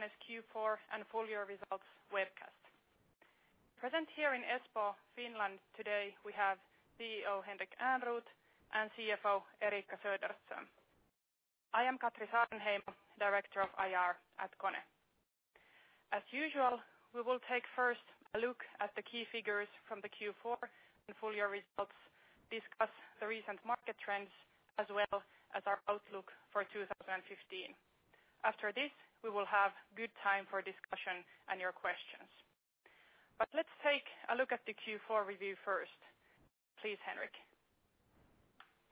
Welcome to KONE's Q4 and full year results webcast. Present here in Espoo, Finland today we have CEO, Henrik Ehrnrooth and CFO, Eriikka Söderström. I am Katri Saarenheimo, Director of IR at KONE. As usual, we will take first a look at the key figures from the Q4 and full year results, discuss the recent market trends, as well as our outlook for 2015. After this, we will have good time for discussion and your questions. Let's take a look at the Q4 review first. Please, Henrik.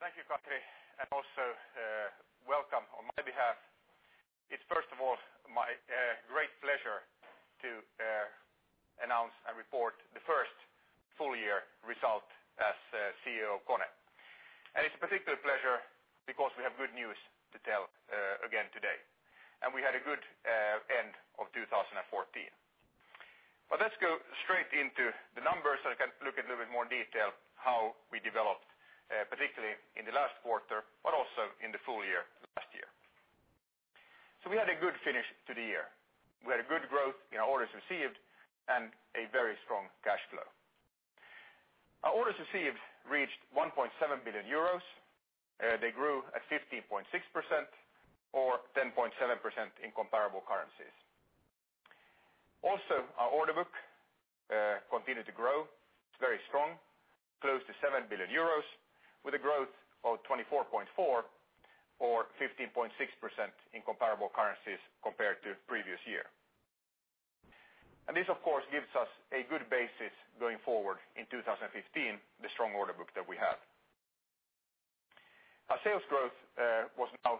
Thank you, Katri, and also welcome on my behalf. It's first of all my great pleasure to announce and report the first full year result as CEO of KONE. It's a particular pleasure because we have good news to tell again today. We had a good end of 2014. Let's go straight into the numbers, and look in a little bit more detail how we developed, particularly in the last quarter, but also in the full year last year. We had a good finish to the year. We had a good growth in our orders received and a very strong cash flow. Our orders received reached 1.7 billion euros. They grew at 15.6% or 10.7% in comparable currencies. Also, our order book continued to grow. It's very strong, close to 7 billion euros, with a growth of 24.4% or 15.6% in comparable currencies compared to previous year. This, of course, gives us a good basis going forward in 2015, the strong order book that we have. Our sales growth was now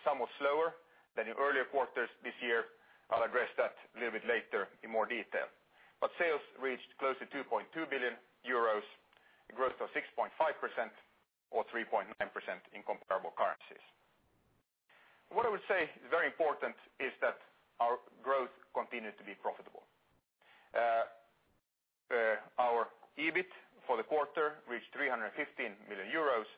somewhat slower than in earlier quarters this year. I'll address that a little bit later in more detail. Sales reached close to 2.2 billion euros, a growth of 6.5% or 3.9% in comparable currencies. What I would say is very important is that our growth continued to be profitable. Our EBIT for the quarter reached 315 million euros.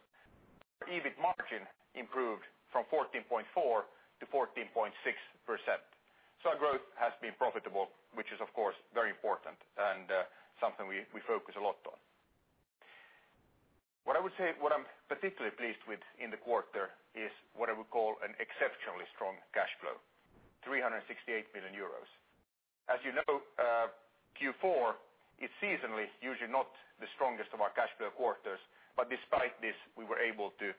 Our EBIT margin improved from 14.4% to 14.6%. Our growth has been profitable, which is of course very important and something we focus a lot on. What I would say, what I'm particularly pleased with in the quarter is what I would call an exceptionally strong cash flow, 368 million euros. As you know, Q4 is seasonally usually not the strongest of our cash flow quarters. Despite this, we were able to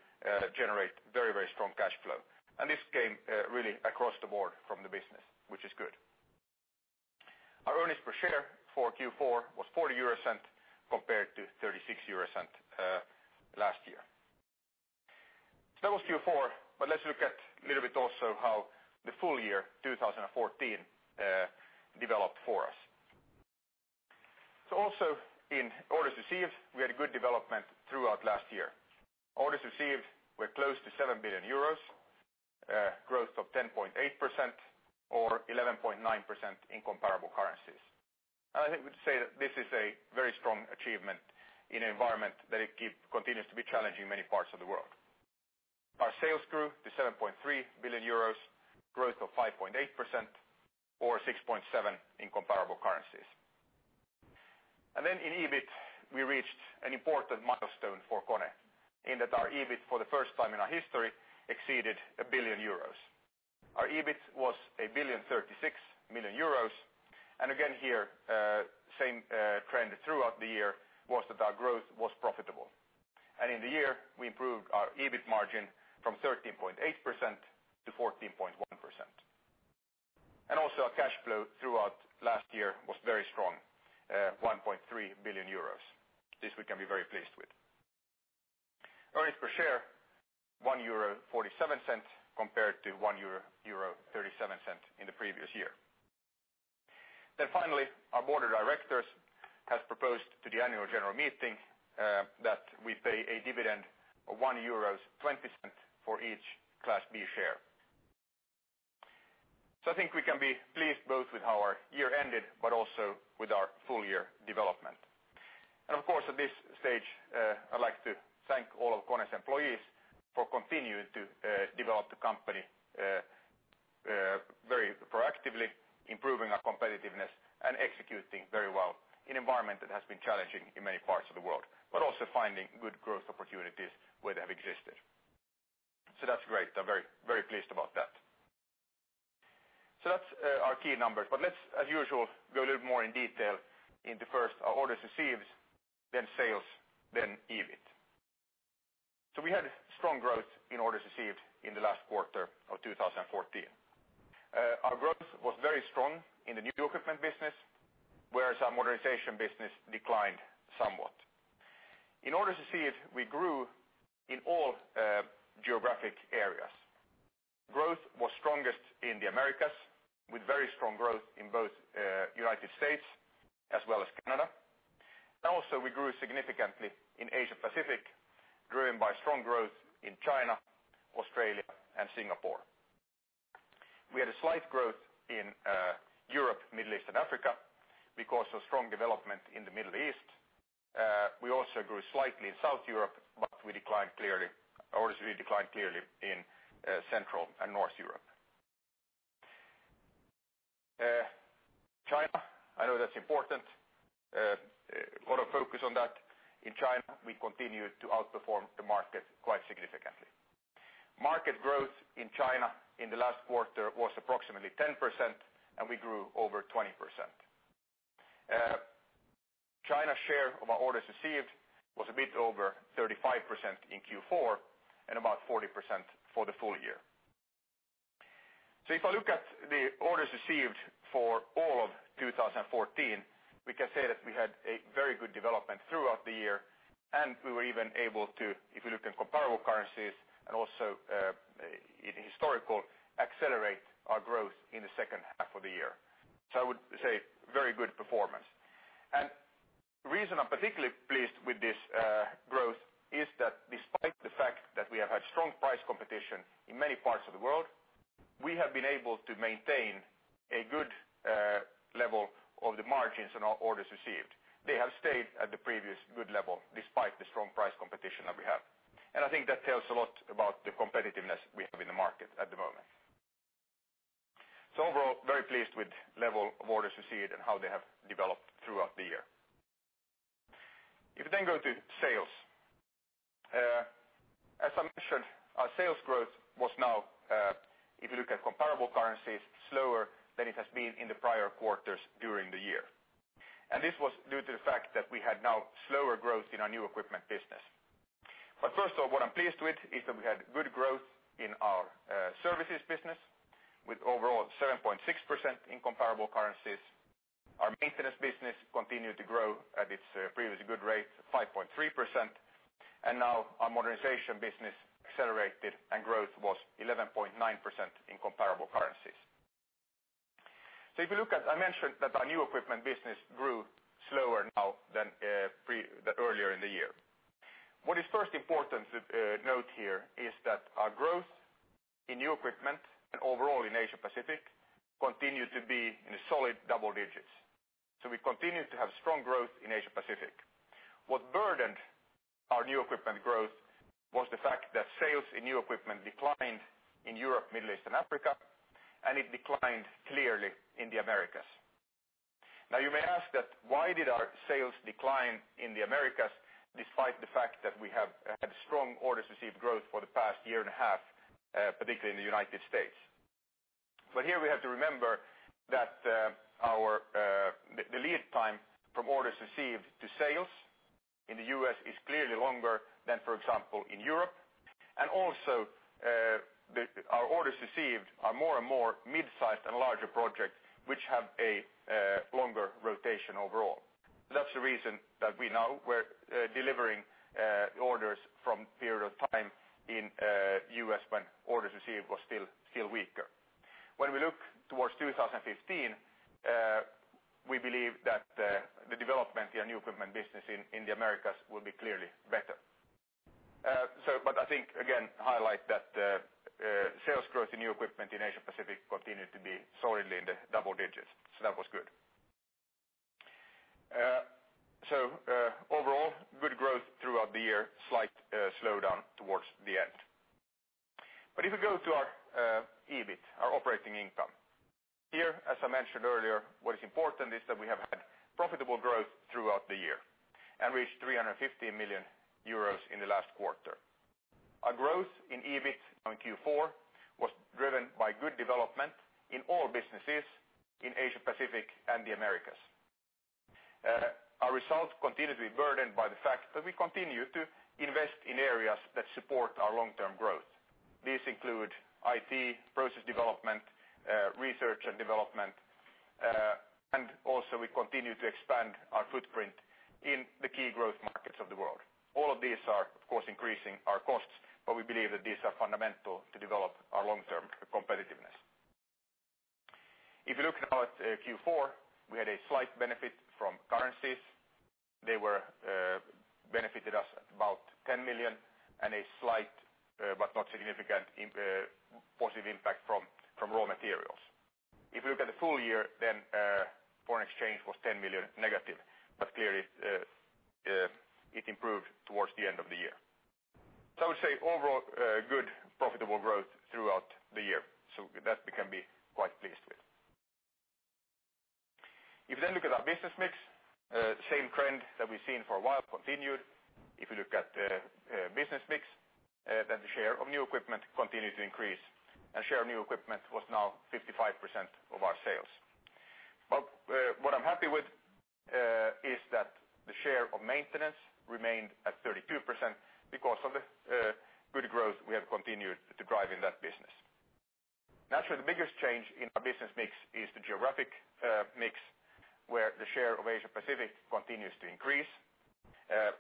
generate very strong cash flow. This came really across the board from the business, which is good. Our earnings per share for Q4 was 0.40 compared to 0.36 last year. That was Q4, but let's look at little bit also how the full year 2014 developed for us. Also in orders received, we had a good development throughout last year. Orders received were close to 7 billion euros, a growth of 10.8% or 11.9% in comparable currencies. I would say that this is a very strong achievement in an environment that continues to be challenging in many parts of the world. Our sales grew to 7.3 billion euros, growth of 5.8% or 6.7% in comparable currencies. In EBIT, we reached an important milestone for KONE. In that our EBIT, for the first time in our history, exceeded 1 billion euros. Our EBIT was 1.036 billion. Again here, same trend throughout the year was that our growth was profitable. In the year, we improved our EBIT margin from 13.8% to 14.1%. Also our cash flow throughout last year was very strong, 1.3 billion euros. This we can be very pleased with. Earnings per share, 1.47 euro compared to 1.37 euro in the previous year. Finally, our board of directors has proposed to the annual general meeting that we pay a dividend of 1.20 euros for each Class B share. I think we can be pleased both with how our year ended, but also with our full year development. Of course, at this stage, I'd like to thank all of KONE's employees for continuing to develop the company very proactively, improving our competitiveness and executing very well in an environment that has been challenging in many parts of the world, but also finding good growth opportunities where they have existed. That's great. I'm very pleased about that. That's our key numbers. Let's, as usual, go a little more in detail into first our orders received, then sales, then EBIT. We had strong growth in orders received in the last quarter of 2014. Our growth was very strong in the new equipment business, whereas our modernization business declined somewhat. In orders received, we grew in all geographic areas. Growth was strongest in the Americas, with very strong growth in both United States as well as Canada. Also we grew significantly in Asia Pacific, driven by strong growth in China, Australia, and Singapore. We had a slight growth in Middle East and Africa, because of strong development in the Middle East. We also grew slightly in South Europe, but orders really declined clearly in Central and North Europe. China, I know that's important. A lot of focus on that. In China, we continue to outperform the market quite significantly. Market growth in China in the last quarter was approximately 10%, and we grew over 20%. China share of our orders received was a bit over 35% in Q4 and about 40% for the full year. If I look at the orders received for all of 2014, we can say that we had a very good development throughout the year, and we were even able to, if you look in comparable currencies and also in historical, accelerate our growth in the second half of the year. I would say very good performance. The reason I'm particularly pleased with this growth is that despite the fact that we have had strong price competition in many parts of the world, we have been able to maintain a good level of the margins on our orders received. They have stayed at the previous good level despite the strong price competition that we have. I think that tells a lot about the competitiveness we have in the market at the moment. Overall, very pleased with level of orders received and how they have developed throughout the year. If you go to sales. As I mentioned, our sales growth was now, if you look at comparable currencies, slower than it has been in the prior quarters during the year. This was due to the fact that we had now slower growth in our new equipment business. First of all, what I'm pleased with is that we had good growth in our services business with overall 7.6% in comparable currencies. Our maintenance business continued to grow at its previous good rate of 5.3%. Our modernization business accelerated and growth was 11.9% in comparable currencies. If you look at, I mentioned that our new equipment business grew slower now than earlier in the year. What is first important to note here is that our growth in new equipment and overall in Asia-Pacific continued to be in solid double digits. We continued to have strong growth in Asia-Pacific. What burdened our new equipment growth was the fact that sales in new equipment declined in Europe, Middle East, and Africa, and it declined clearly in the Americas. You may ask that why did our sales decline in the Americas despite the fact that we have had strong orders received growth for the past year and a half, particularly in the U.S.? Here we have to remember that the lead time from orders received to sales in the U.S. is clearly longer than, for example, in Europe. Also, our orders received are more and more mid-sized and larger projects, which have a longer rotation overall. That's the reason that we now were delivering orders from period of time in the U.S. when orders received was still weaker. When we look towards 2015, we believe that the development in new equipment business in the Americas will be clearly better. I think, again, highlight that sales growth in new equipment in Asia-Pacific continued to be solidly in the double digits. That was good. Overall, good growth throughout the year, slight slowdown towards the end. If you go to our EBIT, our operating income. Here, as I mentioned earlier, what is important is that we have had profitable growth throughout the year and reached 350 million euros in the last quarter. Our growth in EBIT on Q4 was driven by good development in all businesses in Asia-Pacific and the Americas. Our results continue to be burdened by the fact that we continue to invest in areas that support our long-term growth. These include IT, process development, research and development. We continue to expand our footprint in the key growth markets of the world. All of these are, of course, increasing our costs, we believe that these are fundamental to develop our long-term competitiveness. If you look now at Q4, we had a slight benefit from currencies. They benefited us about 10 million and a slight, but not significant positive impact from raw materials. If you look at the full year, foreign exchange was 10 million negative, clearly, it improved towards the end of the year. I would say overall good profitable growth throughout the year. That we can be quite pleased with. If you look at our business mix, same trend that we've seen for a while continued. If you look at business mix, the share of new equipment continued to increase. Share of new equipment was now 55% of our sales. What I'm happy with is that the share of maintenance remained at 32% because of the good growth we have continued to drive in that business. Naturally, the biggest change in our business mix is the geographic mix, where the share of Asia-Pacific continues to increase.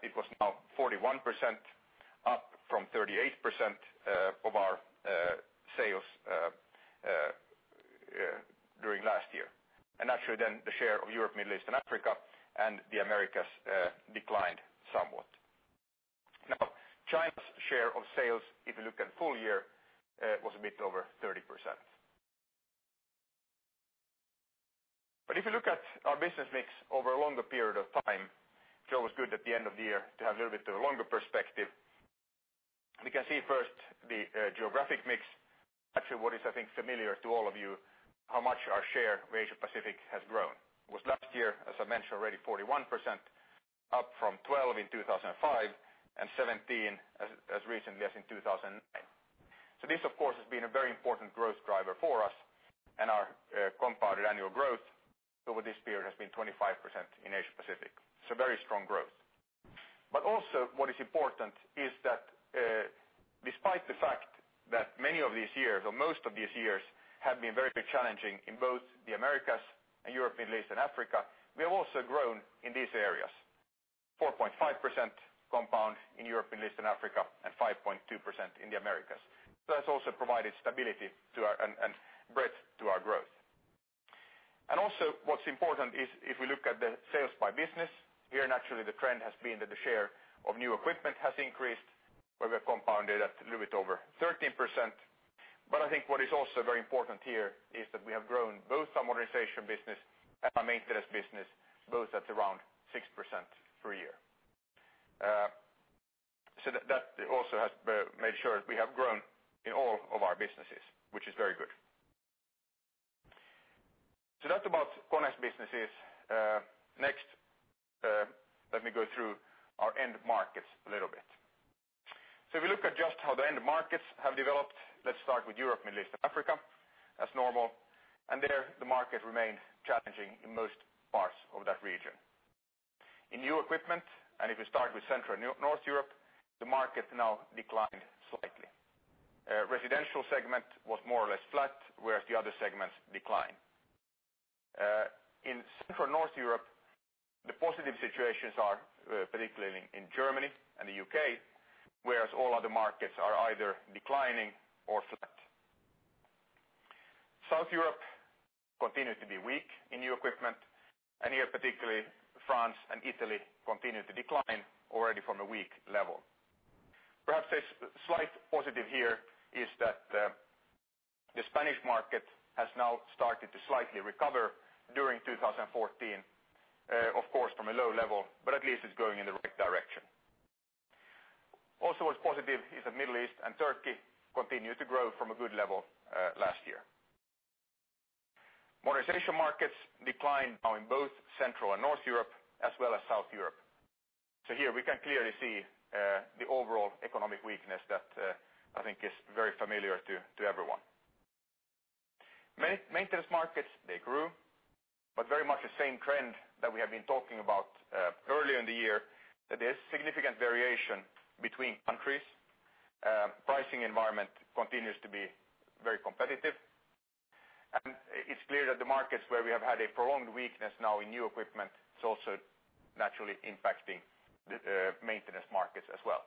It was now 41%, up from 38% of our sales during last year. Actually the share of Europe, Middle East and Africa and the Americas declined somewhat. Share of sales, if you look at full year, was a bit over 30%. If you look at our business mix over a longer period of time, it's always good at the end of the year to have a little bit of a longer perspective. We can see first the geographic mix. Actually, what is, I think familiar to all of you, how much our share of Asia-Pacific has grown. Was last year, as I mentioned already, 41% up from 12% in 2005 and 17% as recently as in 2009. This, of course, has been a very important growth driver for us and our compounded annual growth over this period has been 25% in Asia-Pacific. Very strong growth. Also what is important is that, despite the fact that many of these years or most of these years have been very challenging in both the Americas and Europe, Middle East, and Africa, we have also grown in these areas. 4.5% compound in Europe, Middle East, and Africa, and 5.2% in the Americas. That's also provided stability and breadth to our growth. Also what's important is if we look at the sales by business, here, naturally the trend has been that the share of new equipment has increased, where we are compounded at a little bit over 13%. I think what is also very important here is that we have grown both our modernization business and our maintenance business, both at around 6% per year. That also has made sure that we have grown in all of our businesses, which is very good. That's about KONE's businesses. Next, let me go through our end markets a little bit. If you look at just how the end markets have developed, let's start with Europe, Middle East, and Africa as normal. There, the market remained challenging in most parts of that region. In new equipment, if we start with Central North Europe, the market now declined slightly. Residential segment was more or less flat, whereas the other segments decline. In Central North Europe, the positive situations are particularly in Germany and the U.K., whereas all other markets are either declining or flat. South Europe continues to be weak in new equipment, here particularly France and Italy continue to decline already from a weak level. Perhaps a slight positive here is that the Spanish market has now started to slightly recover during 2014. Of course, from a low level, but at least it's going in the right direction. Also what's positive is that Middle East and Turkey continued to grow from a good level last year. Modernization markets declined now in both Central and North Europe as well as South Europe. Here we can clearly see the overall economic weakness that I think is very familiar to everyone. Maintenance markets, they grew, but very much the same trend that we have been talking about earlier in the year, that there is significant variation between countries. Pricing environment continues to be very competitive, and it's clear that the markets where we have had a prolonged weakness now in new equipment, it's also naturally impacting the maintenance markets as well.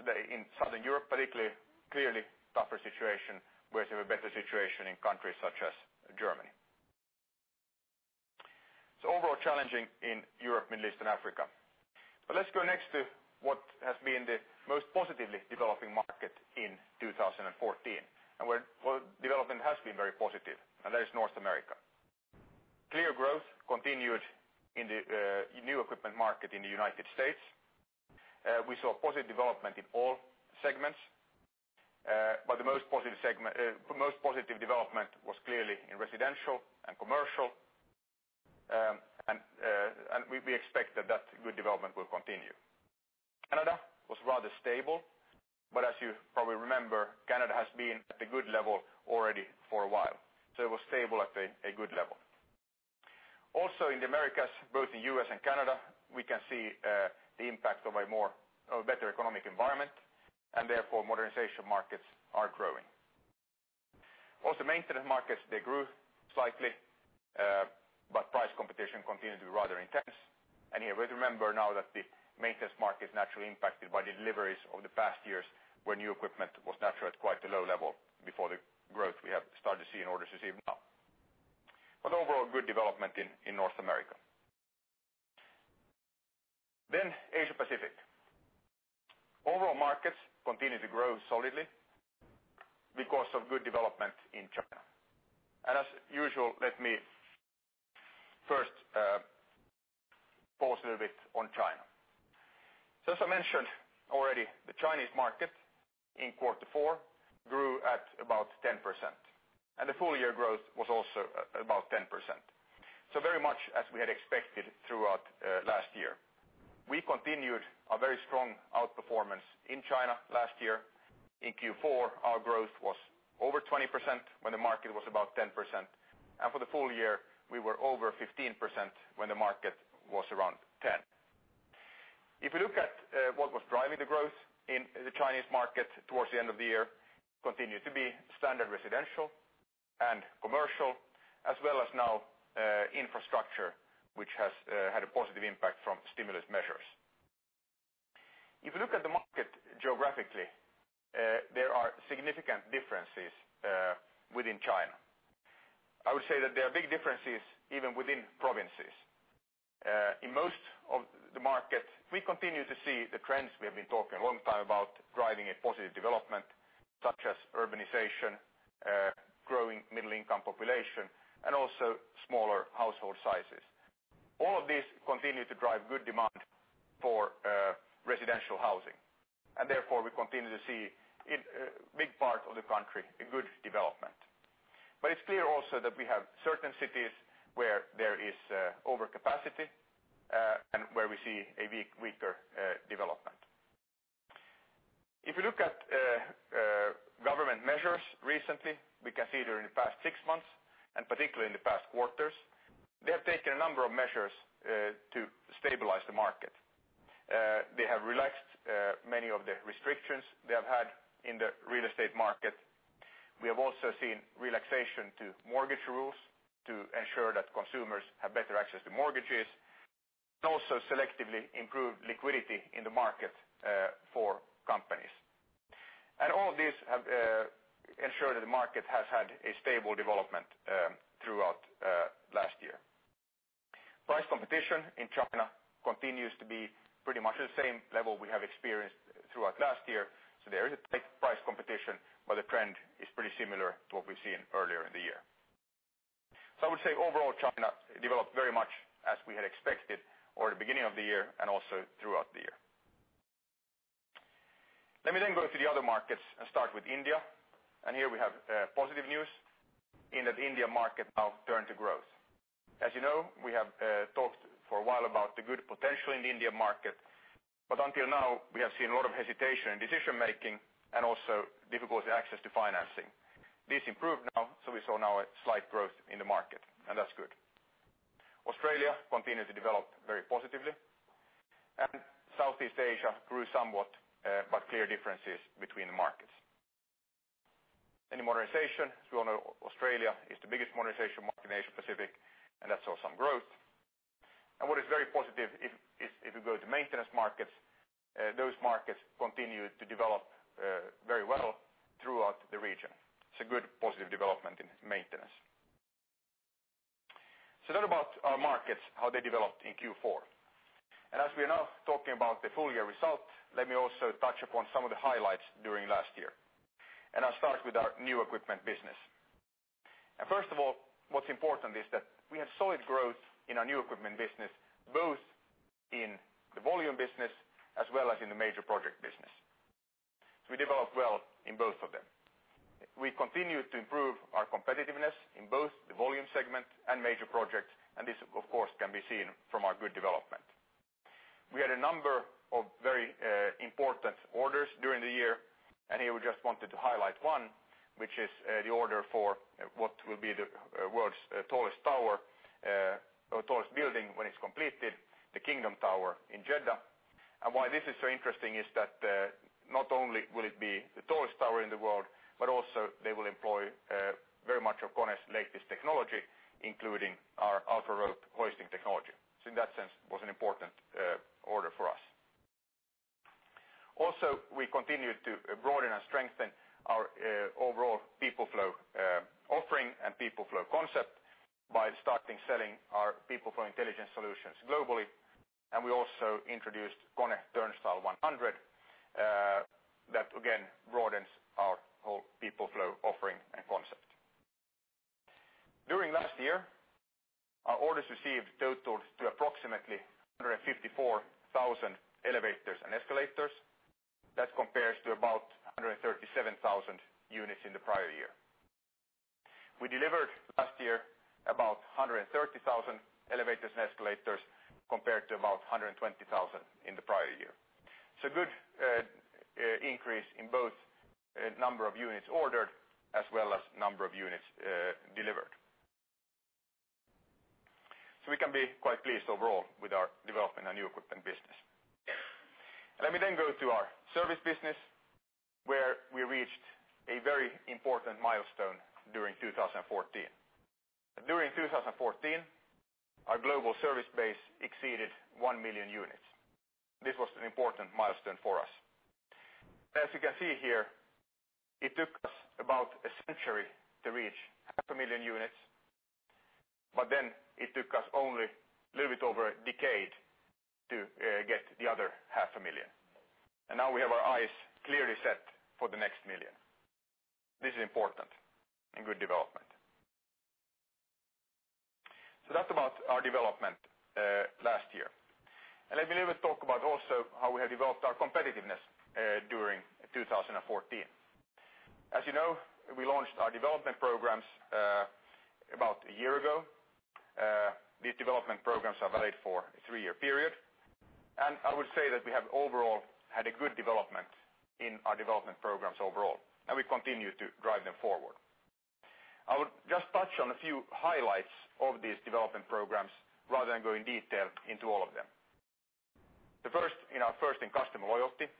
Today in Southern Europe, particularly, clearly tougher situation, whereas we have a better situation in countries such as Germany. Overall challenging in Europe, Middle East, and Africa. Let's go next to what has been the most positively developing market in 2014 and where development has been very positive, and that is North America. Clear growth continued in the new equipment market in the United States. We saw positive development in all segments. The most positive development was clearly in residential and commercial, and we expect that good development will continue. Canada was rather stable, but as you probably remember, Canada has been at a good level already for a while. It was stable at a good level. Also in the Americas, both the U.S. and Canada, we can see the impact of a better economic environment, and therefore modernization markets are growing. Also maintenance markets, they grew slightly, but price competition continued to be rather intense. Here we remember now that the maintenance market is naturally impacted by the deliveries over the past years, where new equipment was naturally at quite a low level before the growth we have started to see in orders received now. Overall, good development in North America. Asia Pacific. Overall markets continue to grow solidly because of good development in China. As usual, let me first pause a little bit on China. As I mentioned already, the Chinese market in quarter four grew at about 10% and the full year growth was also about 10%. Very much as we had expected throughout last year. We continued a very strong outperformance in China last year. In Q4, our growth was over 20% when the market was about 10%. And for the full year, we were over 15% when the market was around 10%. If you look at what was driving the growth in the Chinese market towards the end of the year, continued to be standard residential and commercial as well as now infrastructure, which has had a positive impact from stimulus measures. If you look at the market geographically, there are significant differences within China. I would say that there are big differences even within provinces. In most of the markets, we continue to see the trends we have been talking a long time about driving a positive development, such as urbanization, growing middle-income population, and also smaller household sizes. All of these continue to drive good demand for residential housing, and therefore we continue to see in a big part of the country a good development. It's clear also that we have certain cities where there is overcapacity, and where we see a weaker development. If you look at government measures recently, we can see during the past six months, and particularly in the past quarters, they have taken a number of measures to stabilize the market. They have relaxed many of the restrictions they have had in the real estate market. We have also seen relaxation to mortgage rules to ensure that consumers have better access to mortgages, and also selectively improve liquidity in the market for companies. All of these have ensured that the market has had a stable development throughout last year. Price competition in China continues to be pretty much the same level we have experienced throughout last year. There is a tight price competition, but the trend is pretty similar to what we've seen earlier in the year. I would say overall, China developed very much as we had expected or the beginning of the year and also throughout the year. Let me go to the other markets and start with India. Here we have positive news in that India market now turn to growth. As you know, we have talked for a while about the good potential in the India market. Until now, we have seen a lot of hesitation in decision making and also difficulty access to financing. This improved now. We saw now a slight growth in the market, and that's good. Australia continued to develop very positively, and Southeast Asia grew somewhat, but clear differences between the markets. In modernization, as we all know, Australia is the biggest modernization market in Asia Pacific, and that saw some growth. What is very positive if you go to maintenance markets, those markets continue to develop very well throughout the region. It's a good positive development in maintenance. That about our markets, how they developed in Q4. As we are now talking about the full year result, let me also touch upon some of the highlights during last year. I'll start with our new equipment business. First of all, what's important is that we have solid growth in our new equipment business, both in the volume business as well as in the major project business. We developed well in both of them. We continued to improve our competitiveness in both the volume segment and major projects, and this, of course, can be seen from our good development. We had a number of very important orders during the year, and here we just wanted to highlight one, which is the order for what will be the world's tallest tower or tallest building when it's completed, the Kingdom Tower in Jeddah. Why this is so interesting is that not only will it be the tallest tower in the world, but also they will employ very much of KONE's latest technology, including our UltraRope hoisting technology. In that sense, was an important order for us. Also, we continued to broaden and strengthen our overall People Flow offering and People Flow concept by starting selling our KONE People Flow Intelligence solutions globally. We also introduced KONE Turnstile 100, that again broadens our whole People Flow offering and concept. During last year, our orders received totaled to approximately 154,000 elevators and escalators. That compares to about 137,000 units in the prior year. We delivered last year about 130,000 elevators and escalators compared to about 120,000 in the prior year. Good increase in both number of units ordered as well as number of units delivered. We can be quite pleased overall with our development and new equipment business. Let me go to our service business, where we reached a very important milestone during 2014. During 2014, our global service base exceeded 1 million units. This was an important milestone for us. As you can see here, it took us about a century to reach half a million units, it took us only a little bit over a decade to get the other half a million. Now we have our eyes clearly set for the next million. This is important and good development. That's about our development last year. Let me talk about also how we have developed our competitiveness during 2014. As you know, we launched our development programs about a year ago. These development programs are valid for a 3-year period. I would say that we have overall had a good development in our development programs overall, and we continue to drive them forward. I would just touch on a few highlights of these development programs rather than go in detail into all of them. The first in our first in customer loyalty.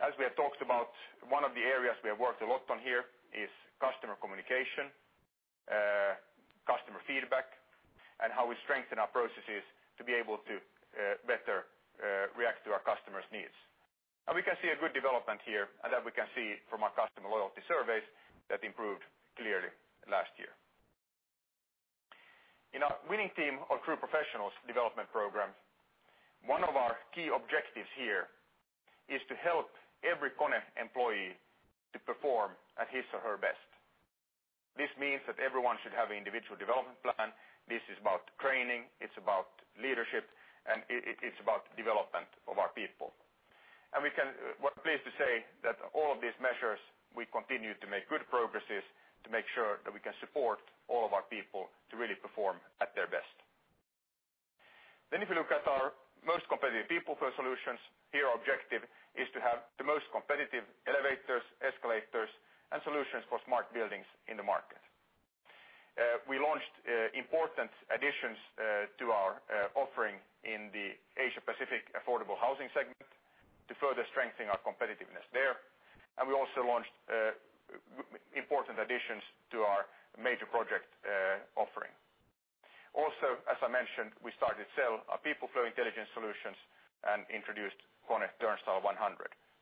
As we have talked about, one of the areas we have worked a lot on here is customer communication. Feedback and how we strengthen our processes to be able to better react to our customers' needs. We can see a good development here, and that we can see from our customer loyalty surveys that improved clearly last year. In our winning team of true professionals development program, one of our key objectives here is to help every KONE employee to perform at his or her best. This means that everyone should have individual development plan. This is about training, it's about leadership, and it's about development of our people. We're pleased to say that all of these measures, we continue to make good progresses to make sure that we can support all of our people to really perform at their best. If you look at our most competitive People Flow solutions, here objective is to have the most competitive elevators, escalators, and solutions for smart buildings in the market. We launched important additions to our offering in the Asia-Pacific affordable housing segment to further strengthen our competitiveness there. We also launched important additions to our major project offering. Also, as I mentioned, we started sell our People Flow Intelligence solutions and introduced KONE Turnstile 100.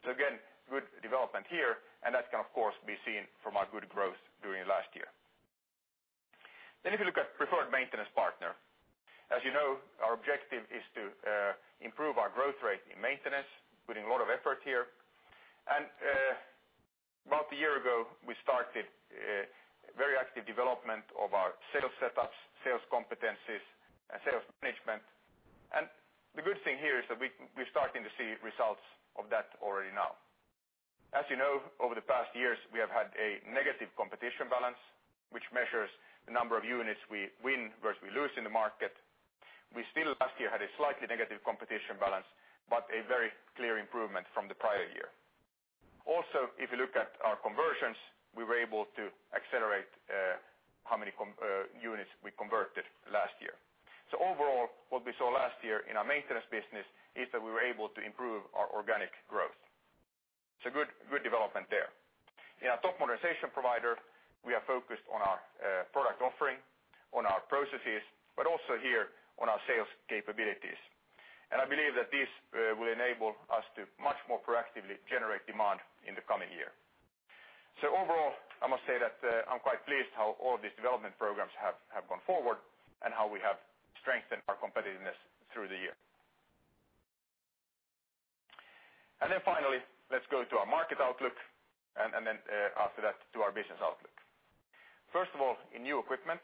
Again, good development here, and that can of course, be seen from our good growth during last year. If you look at preferred maintenance partner, as you know, our objective is to improve our growth rate in maintenance, putting a lot of effort here. About a year ago, we started very active development of our sales setups, sales competencies, and sales management. The good thing here is that we're starting to see results of that already now. As you know, over the past years, we have had a negative competition balance, which measures the number of units we win versus we lose in the market. We still last year had a slightly negative competition balance, but a very clear improvement from the prior year. If you look at our conversions, we were able to accelerate how many units we converted last year. Overall, what we saw last year in our maintenance business is that we were able to improve our organic growth. It's a good development there. In our top modernization provider, we are focused on our product offering, on our processes, but also here on our sales capabilities. I believe that this will enable us to much more proactively generate demand in the coming year. Overall, I must say that I'm quite pleased how all these development programs have gone forward and how we have strengthened our competitiveness through the year. Then finally, let's go to our market outlook, and then after that to our business outlook. First of all, in new equipment,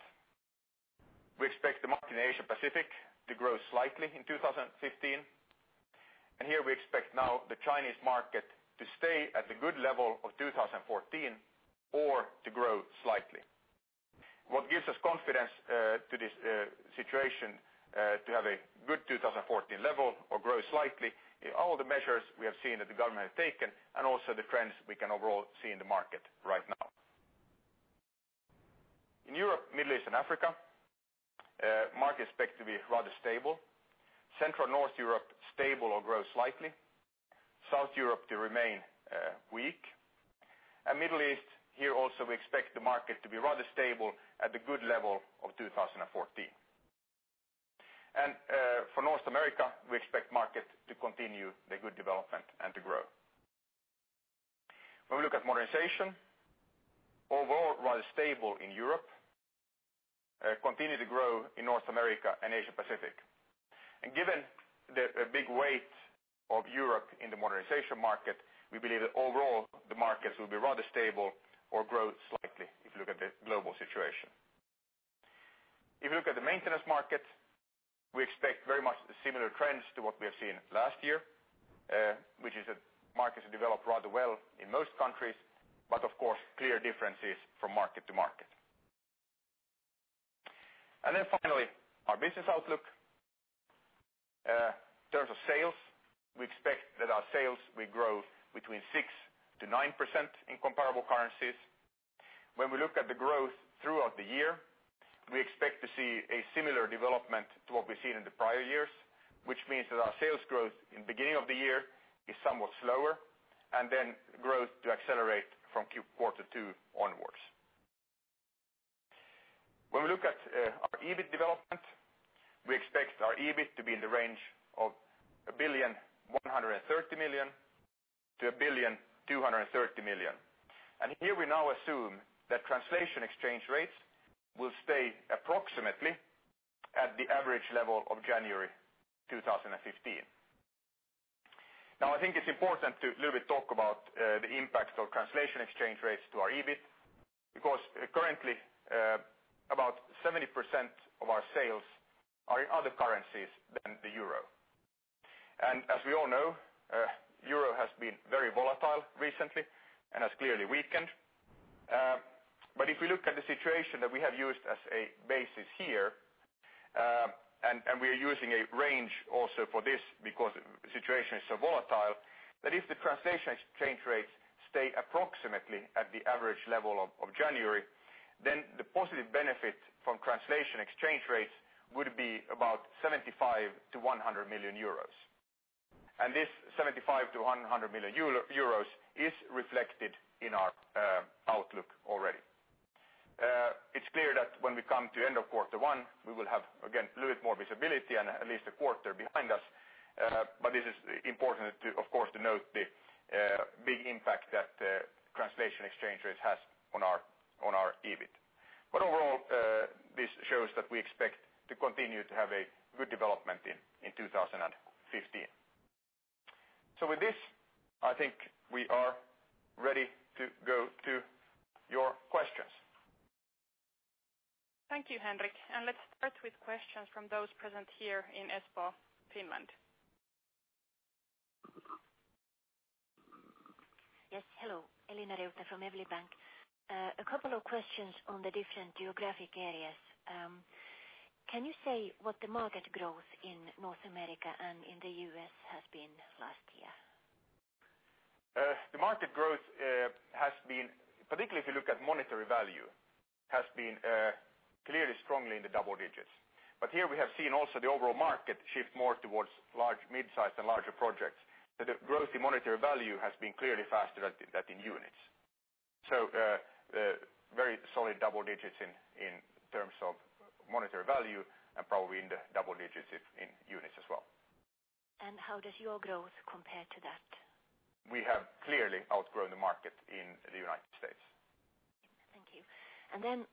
we expect the market in Asia-Pacific to grow slightly in 2015. Here we expect now the Chinese market to stay at the good level of 2014 or to grow slightly. What gives us confidence to this situation to have a good 2014 level or grow slightly, all the measures we have seen that the government has taken and also the trends we can overall see in the market right now. In Europe, Middle East, and Africa, market is expected to be rather stable. Central North Europe, stable or grow slightly. South Europe to remain weak. Middle East, here also, we expect the market to be rather stable at the good level of 2014. For North America, we expect market to continue the good development and to grow. When we look at modernization, overall rather stable in Europe, continue to grow in North America and Asia-Pacific. Given the big weight of Europe in the modernization market, we believe that overall the markets will be rather stable or grow slightly if you look at the global situation. If you look at the maintenance market, we expect very much similar trends to what we have seen last year, which is that markets develop rather well in most countries, but of course, clear differences from market to market. Then finally, our business outlook. In terms of sales, we expect that our sales will grow between 6%-9% in comparable currencies. When we look at the growth throughout the year, we expect to see a similar development to what we've seen in the prior years, which means that our sales growth in beginning of the year is somewhat slower, and then growth to accelerate from quarter two onwards. When we look at our EBIT development, we expect our EBIT to be in the range of 1.13 billion-1.23 billion. Here we now assume that translation exchange rates will stay approximately at the average level of January 2015. Now, I think it's important to a little bit talk about the impact of translation exchange rates to our EBIT, because currently about 70% of our sales are in other currencies than the euro. As we all know, euro has been very volatile recently and has clearly weakened. If we look at the situation that we have used as a basis here, we are using a range also for this because the situation is so volatile, that if the translation exchange rates stay approximately at the average level of January, the positive benefit from translation exchange rates would be about 75 million-100 million euros. This 75 million-100 million euros is reflected in our outlook already. It is clear that when we come to end of quarter one, we will have again, little more visibility and at least a quarter behind us. This is important, of course, to note the big impact that translation exchange rate has on our EBIT. Overall, this shows that we expect to continue to have a good development in 2015. With this, I think we are ready to go to your questions. Thank you, Henrik. Let's start with questions from those present here in Espoo, Finland. Yes. Hello, Elena from Evli Bank. A couple of questions on the different geographic areas. Can you say what the market growth in North America and in the U.S. has been last year? The market growth has been, particularly if you look at monetary value, has been clearly strongly in the double digits. Here we have seen also the overall market shift more towards mid-size and larger projects. The growth in monetary value has been clearly faster than in units. Very solid double digits in terms of monetary value and probably in the double digits in units as well. How does your growth compare to that? We have clearly outgrown the market in the U.S. Thank you.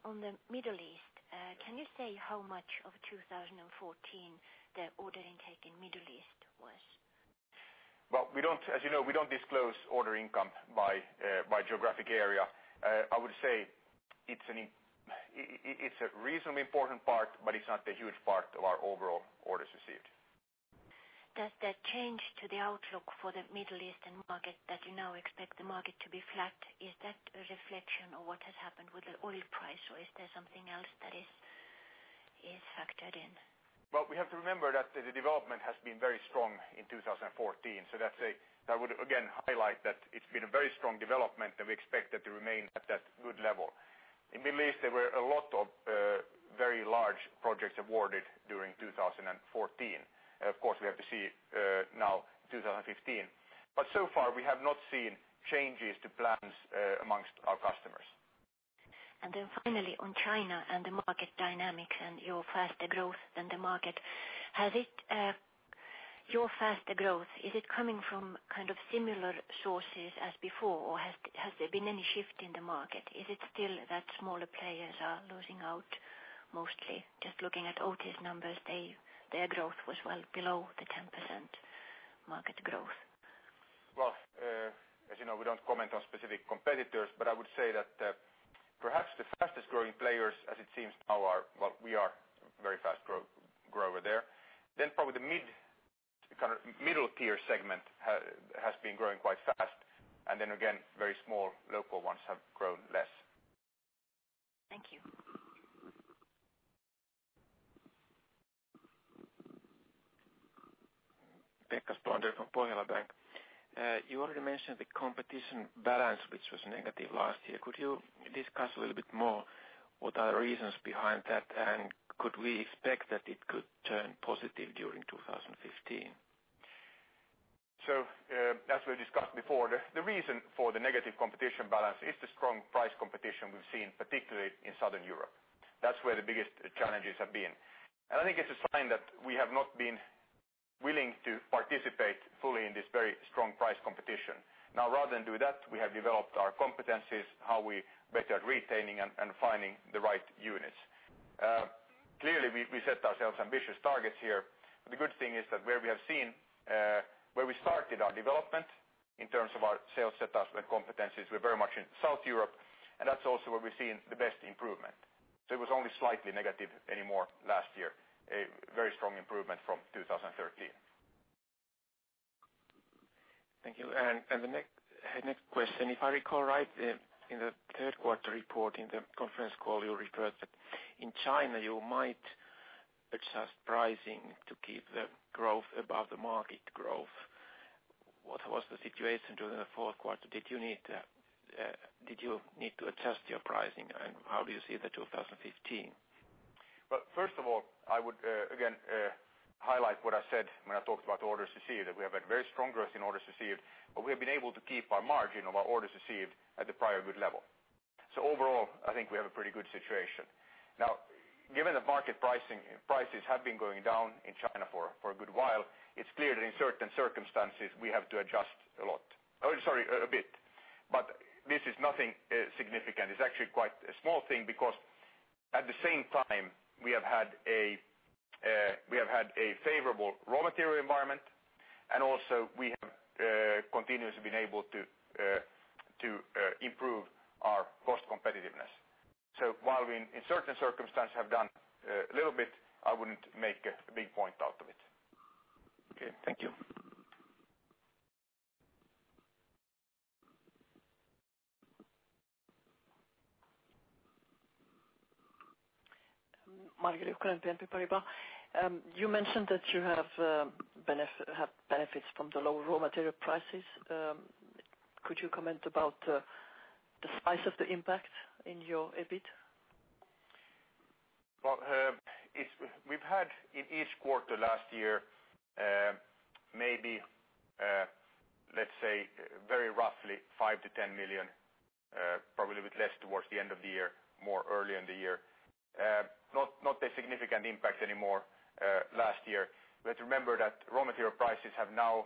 On the Middle East, can you say how much of 2014 the order intake in Middle East was? Well, as you know, we don't disclose order intake by geographic area. I would say it's a reasonably important part, but it's not a huge part of our overall orders received. Does that change to the outlook for the Middle Eastern market that you now expect the market to be flat? Is that a reflection of what has happened with the oil price, or is there something else that is factored in? Well, we have to remember that the development has been very strong in 2014. That would, again, highlight that it's been a very strong development and we expect that to remain at that good level. In Middle East, there were a lot of very large projects awarded during 2014. Of course, we have to see now 2015, so far we have not seen changes to plans amongst our customers. Finally on China and the market dynamics and your faster growth than the market. Your faster growth, is it coming from kind of similar sources as before, or has there been any shift in the market? Is it still that smaller players are losing out mostly? Just looking at Otis numbers, their growth was well below the 10% market growth. Well, as you know, we don't comment on specific competitors, I would say that perhaps the fastest growing players, as it seems now, well, we are very fast grower there. Probably the middle tier segment has been growing quite fast. Again, very small local ones have grown less. Thank you. Pekka Spolander from Pohjola Bank. You already mentioned the competition balance, which was negative last year. Could you discuss a little bit more what are the reasons behind that? Could we expect that it could turn positive during 2015? As we discussed before, the reason for the negative competition balance is the strong price competition we've seen, particularly in Southern Europe. That's where the biggest challenges have been. I think it's a sign that we have not been willing to participate fully in this very strong price competition. Rather than do that, we have developed our competencies, how we're better at retaining and finding the right units. Clearly we set ourselves ambitious targets here, the good thing is that where we started our development in terms of our sales setup and competencies, we're very much in South Europe, and that's also where we've seen the best improvement. It was only slightly negative anymore last year, a very strong improvement from 2013. Thank you. The next question. If I recall right, in the third quarter report, in the conference call, you referred that in China you might adjust pricing to keep the growth above the market growth. What was the situation during the fourth quarter? Did you need to adjust your pricing? How do you see the 2015? Well, first of all, I would again, highlight what I said when I talked about orders received, that we have had very strong growth in orders received, but we have been able to keep our margin of our orders received at the prior good level. Overall, I think we have a pretty good situation. Given the market prices have been going down in China for a good while, it's clear that in certain circumstances we have to adjust a bit. This is nothing significant. It's actually quite a small thing because at the same time we have had a favorable raw material environment, and also we have continuously been able to improve our cost competitiveness. While we in certain circumstances have done a little bit, I wouldn't make a big point out of it. Okay. Thank you. Margareta BNP Paribas. You mentioned that you have benefits from the low raw material prices. Could you comment about the size of the impact in your EBIT? Well, we've had in each quarter last year, maybe, let's say very roughly 5 million-10 million, probably a bit less towards the end of the year, more earlier in the year. Not a significant impact anymore last year. Remember that raw material prices have now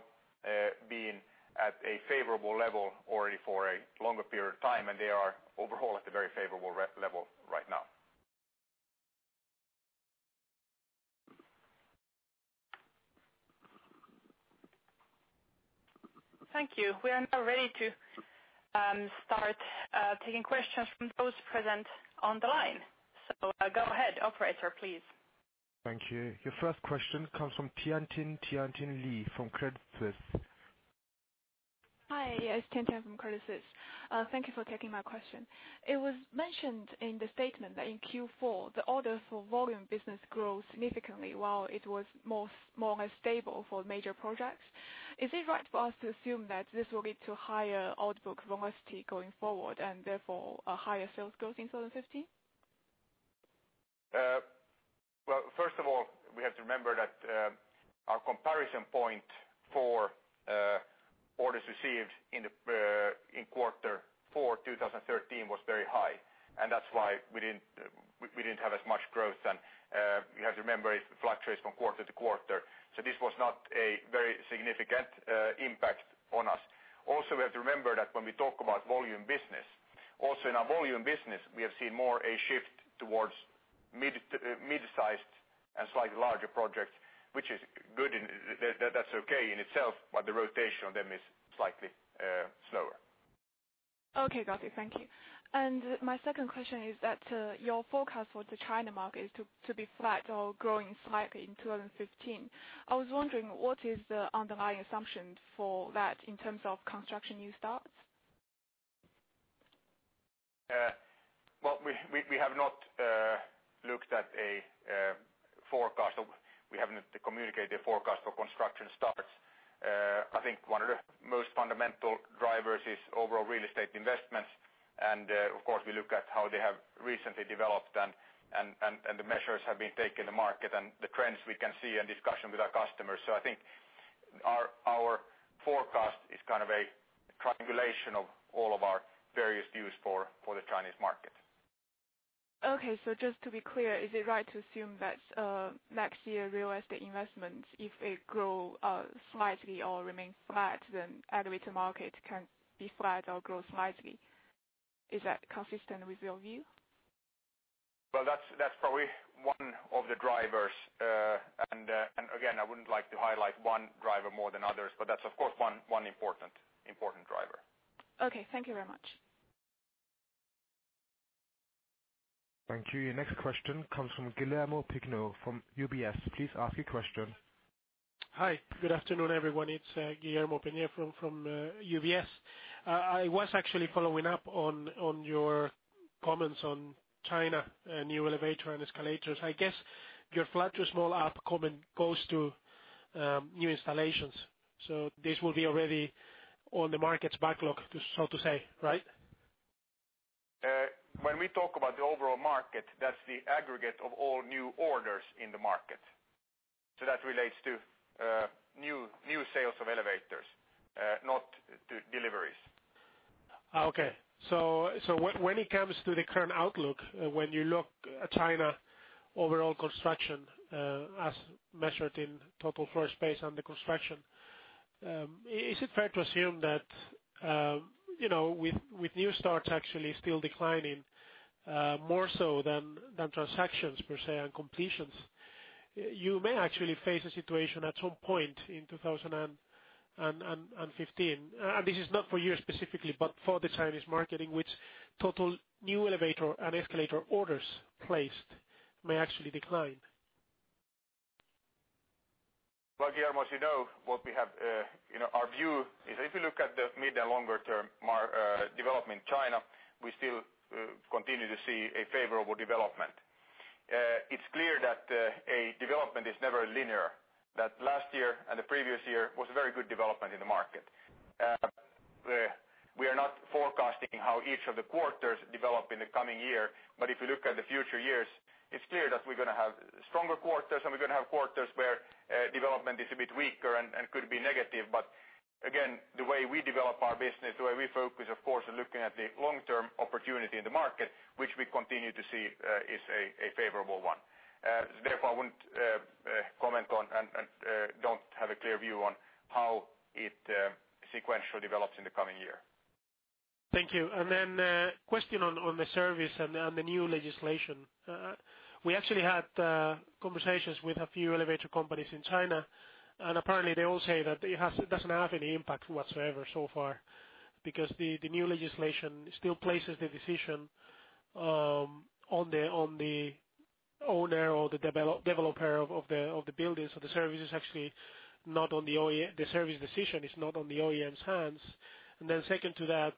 been at a favorable level already for a longer period of time, and they are overall at a very favorable level right now. Thank you. We are now ready to start taking questions from those present on the line. Go ahead, operator, please. Thank you. Your first question comes from Tiantian Li from Credit Suisse. Hi, it's Tiantian from Credit Suisse. Thank you for taking my question. It was mentioned in the statement that in Q4, the order for volume business grew significantly while it was more or less stable for major projects. Is it right for us to assume that this will lead to higher order book velocity going forward and therefore higher sales growth in 2015? Well, first of all, we have to remember that our comparison point for orders received in quarter four 2013 was very high, and that's why we didn't have as much growth then. You have to remember it fluctuates from quarter to quarter. This was not a very significant impact on us. We have to remember that when we talk about volume business, also in our volume business, we have seen more a shift towards mid-sized and slightly larger projects, which is good, and that's okay in itself, but the rotation on them is slightly slower. Okay, got it. Thank you. My second question is that your forecast for the China market is to be flat or growing slightly in 2015. I was wondering what is the underlying assumption for that in terms of construction new starts? Well, we have not looked at a forecast. We haven't communicated a forecast for construction starts. I think one of the most fundamental drivers is overall real estate investments. Of course, we look at how they have recently developed and the measures have been taken in the market and the trends we can see and discussion with our customers. I think our forecast is kind of a triangulation of all of our various views for the Chinese market. Okay. Just to be clear, is it right to assume that next year real estate investments, if they grow slightly or remain flat, then elevator market can be flat or grow slightly? Is that consistent with your view? Well, that's probably one of the drivers. Again, I wouldn't like to highlight one driver more than others, but that's of course one important driver. Okay. Thank you very much. Thank you. Your next question comes from Guillermo Pigno from UBS. Please ask your question. Hi. Good afternoon, everyone. It's Guillermo Pigno from UBS. I was actually following up on your comments on China, new elevator and escalators. I guess your flat to small up comment goes to new installations. This will be already on the market's backlog, so to say, right? When we talk about the overall market, that's the aggregate of all new orders in the market. That relates to new sales of elevators, not to deliveries. Okay. When it comes to the current outlook, when you look at China overall construction as measured in total floor space under construction, is it fair to assume that with new starts actually still declining more so than transactions per se and completions, you may actually face a situation at some point in 2015, and this is not for you specifically, but for the Chinese market in which total new elevator and escalator orders placed may actually decline? Well, Guillermo, as you know, our view is if you look at the mid and longer term development China, we still continue to see a favorable development. It's clear that a development is never linear, that last year and the previous year was a very good development in the market. We are not forecasting how each of the quarters develop in the coming year, but if you look at the future years, it's clear that we're going to have stronger quarters and we're going to have quarters where development is a bit weaker and could be negative. Again, the way we develop our business, the way we focus, of course, is looking at the long-term opportunity in the market, which we continue to see is a favorable one. Therefore, I wouldn't comment on and don't have a clear view on how it sequentially develops in the coming year. Thank you. A question on the service and the new legislation. We actually had conversations with a few elevator companies in China, apparently they all say that it doesn't have any impact whatsoever so far because the new legislation still places the decision on the owner or the developer of the buildings. The service decision is not on the OEM's hands. Second to that,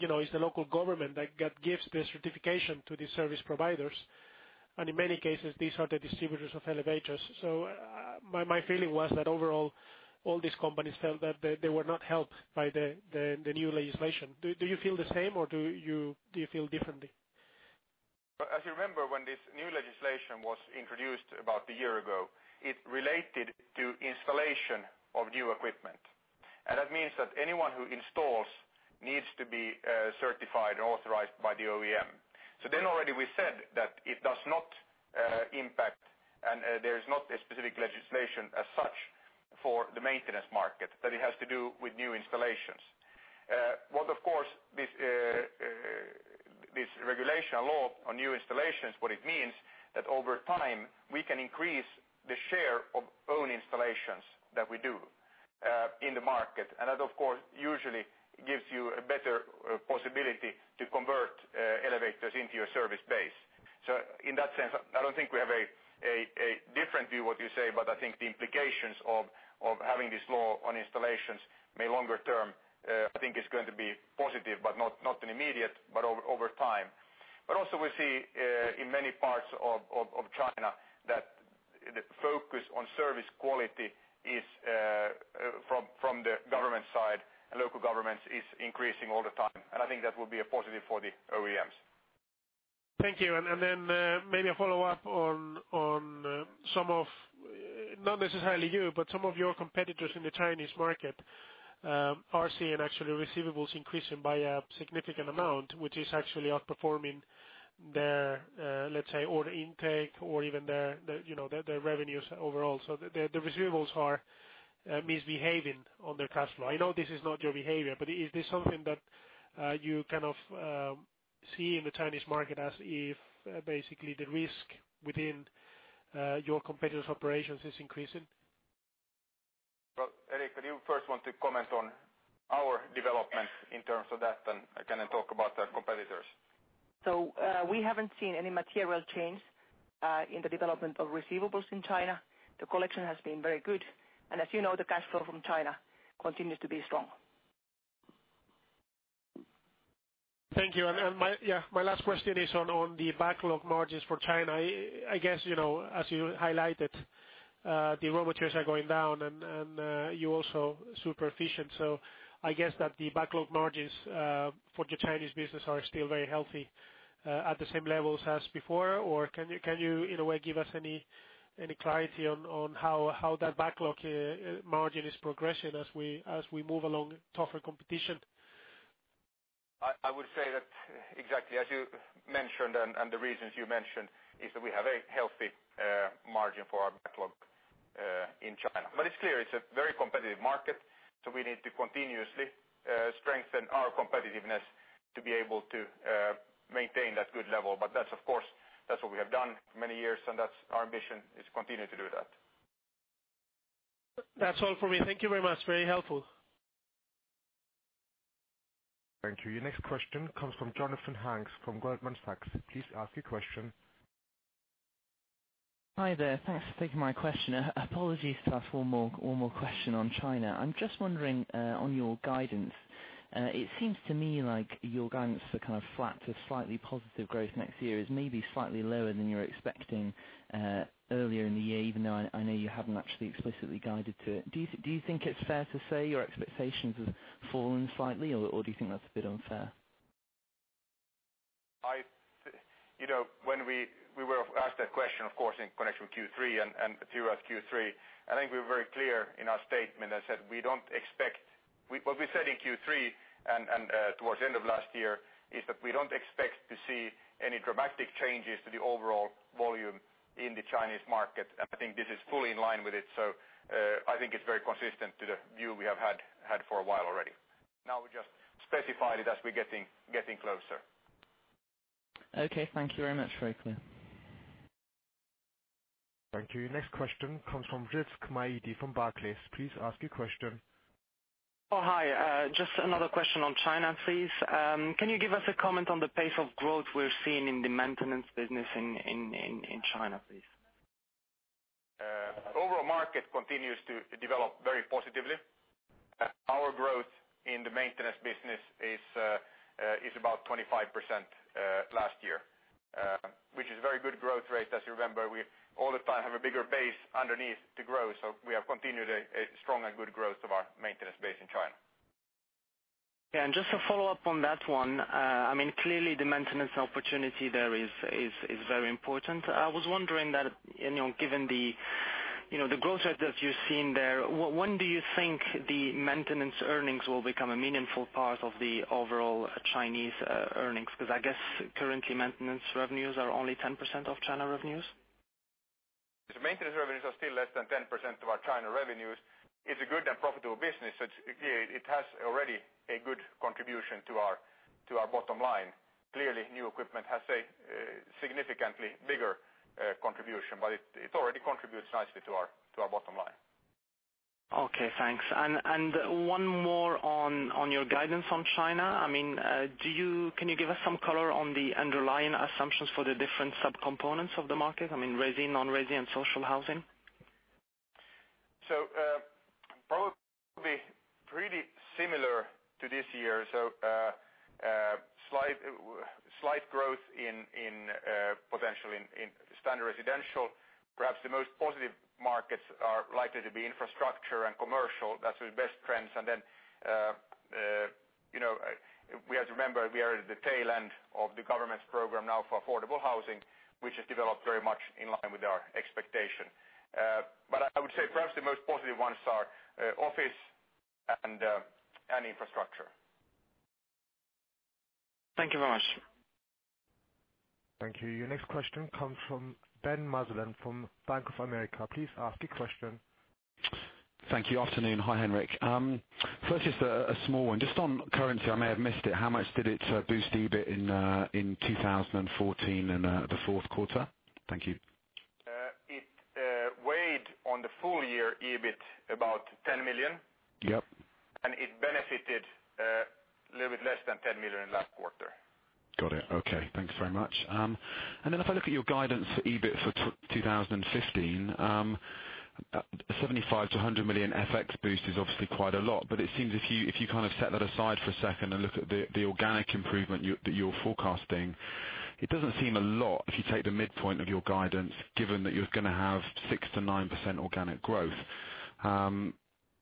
it's the local government that gives the certification to the service providers. In many cases, these are the distributors of elevators. My feeling was that overall, all these companies felt that they were not helped by the new legislation. Do you feel the same or do you feel differently? As you remember, when this new legislation was introduced about a year ago, it related to installation of new equipment. That means that anyone who installs needs to be certified or authorized by the OEM. Already we said that it does not impact, there is not a specific legislation as such for the maintenance market, that it has to do with new installations. What, of course, this regulation law on new installations, what it means, that over time we can increase the share of own installations that we do in the market. That, of course, usually gives you a better possibility to convert elevators into your service base. In that sense, I don't think we have a different view, what you say, but I think the implications of having this law on installations may longer term, I think, is going to be positive, but not in immediate, but over time. Also we see in many parts of China that the focus on service quality is from the government side and local governments is increasing all the time. I think that will be a positive for the OEMs. Thank you. Then maybe a follow-up on not necessarily you, but some of your competitors in the Chinese market are seeing actually receivables increasing by a significant amount, which is actually outperforming their, let's say, order intake or even their revenues overall. The receivables are misbehaving on their cash flow. I know this is not your behavior, but is this something that you kind of see in the Chinese market as if basically the risk within your competitors' operations is increasing? Well, Eriikka, do you first want to comment on our development in terms of that, then I can talk about our competitors. We haven't seen any material change in the development of receivables in China. The collection has been very good. As you know, the cash flow from China continues to be strong. Thank you. My last question is on the backlog margins for China. I guess as you highlighted, the raw materials are going down and you're also super efficient. I guess that the backlog margins for your Chinese business are still very healthy at the same levels as before? Can you, in a way, give us any clarity on how that backlog margin is progressing as we move along tougher competition? I would say that exactly as you mentioned and the reasons you mentioned is that we have a healthy margin for our backlog in China. It's clear it's a very competitive market, we need to continuously strengthen our competitiveness to be able to maintain that good level. That's of course, that's what we have done for many years and that's our ambition is to continue to do that. That's all for me. Thank you very much. Very helpful. Thank you. Your next question comes from Jonathan Hanks from Goldman Sachs. Please ask your question. Hi there. Thanks for taking my question. Apologies to ask one more question on China. I'm just wondering, on your guidance, it seems to me like your guidance for kind of flat to slightly positive growth next year is maybe slightly lower than you were expecting earlier in the year, even though I know you haven't actually explicitly guided to it. Do you think it's fair to say your expectations have fallen slightly, or do you think that's a bit unfair? When we were asked that question, of course, in connection with Q3 and the figures Q3, I think we were very clear in our statement that said, what we said in Q3 and towards the end of last year is that we don't expect to see any dramatic changes to the overall volume in the Chinese market. I think this is fully in line with it. I think it's very consistent to the view we have had for a while already. Now we just specified it as we're getting closer. Okay. Thank you very much. Very clear. Thank you. Your next question comes from Rizk Maidi from Barclays. Please ask your question. Oh, hi. Just another question on China, please. Can you give us a comment on the pace of growth we're seeing in the maintenance business in China, please? Overall market continues to develop very positively. Our growth in the maintenance business is about 25% last year, which is very good growth rate. As you remember, we all the time have a bigger base underneath to grow. We have continued a strong and good growth of our maintenance base in China. Just to follow up on that one. Clearly the maintenance opportunity there is very important. I was wondering that, given the growth rate that you're seeing there, when do you think the maintenance earnings will become a meaningful part of the overall Chinese earnings? I guess currently maintenance revenues are only 10% of China revenues. The maintenance revenues are still less than 10% of our China revenues. It's a good and profitable business. It has already a good contribution to our bottom line. Clearly, new equipment has a significantly bigger contribution, but it already contributes nicely to our bottom line. Okay, thanks. One more on your guidance on China. Can you give us some color on the underlying assumptions for the different subcomponents of the market? I mean, resi, non-resi, and social housing. Similar to this year. Slight growth potentially in standard residential. Perhaps the most positive markets are likely to be infrastructure and commercial. That's the best trends. We have to remember, we are at the tail end of the government's program now for affordable housing, which has developed very much in line with our expectation. I would say perhaps the most positive ones are office and infrastructure. Thank you very much. Thank you. Your next question comes from Ben Maslen from Bank of America. Please ask your question. Thank you. Afternoon. Hi, Henrik. First is a small one just on currency. I may have missed it. How much did it boost EBIT in 2014 and the fourth quarter? Thank you. It weighed on the full year EBIT about 10 million. Yep. It benefited a little bit less than 10 million last quarter. Got it. Okay. Thank you very much. Then if I look at your guidance for EBIT for 2015, 75 million-100 million FX boost is obviously quite a lot, but it seems if you kind of set that aside for a second and look at the organic improvement that you're forecasting, it doesn't seem a lot if you take the midpoint of your guidance, given that you're going to have 6%-9% organic growth.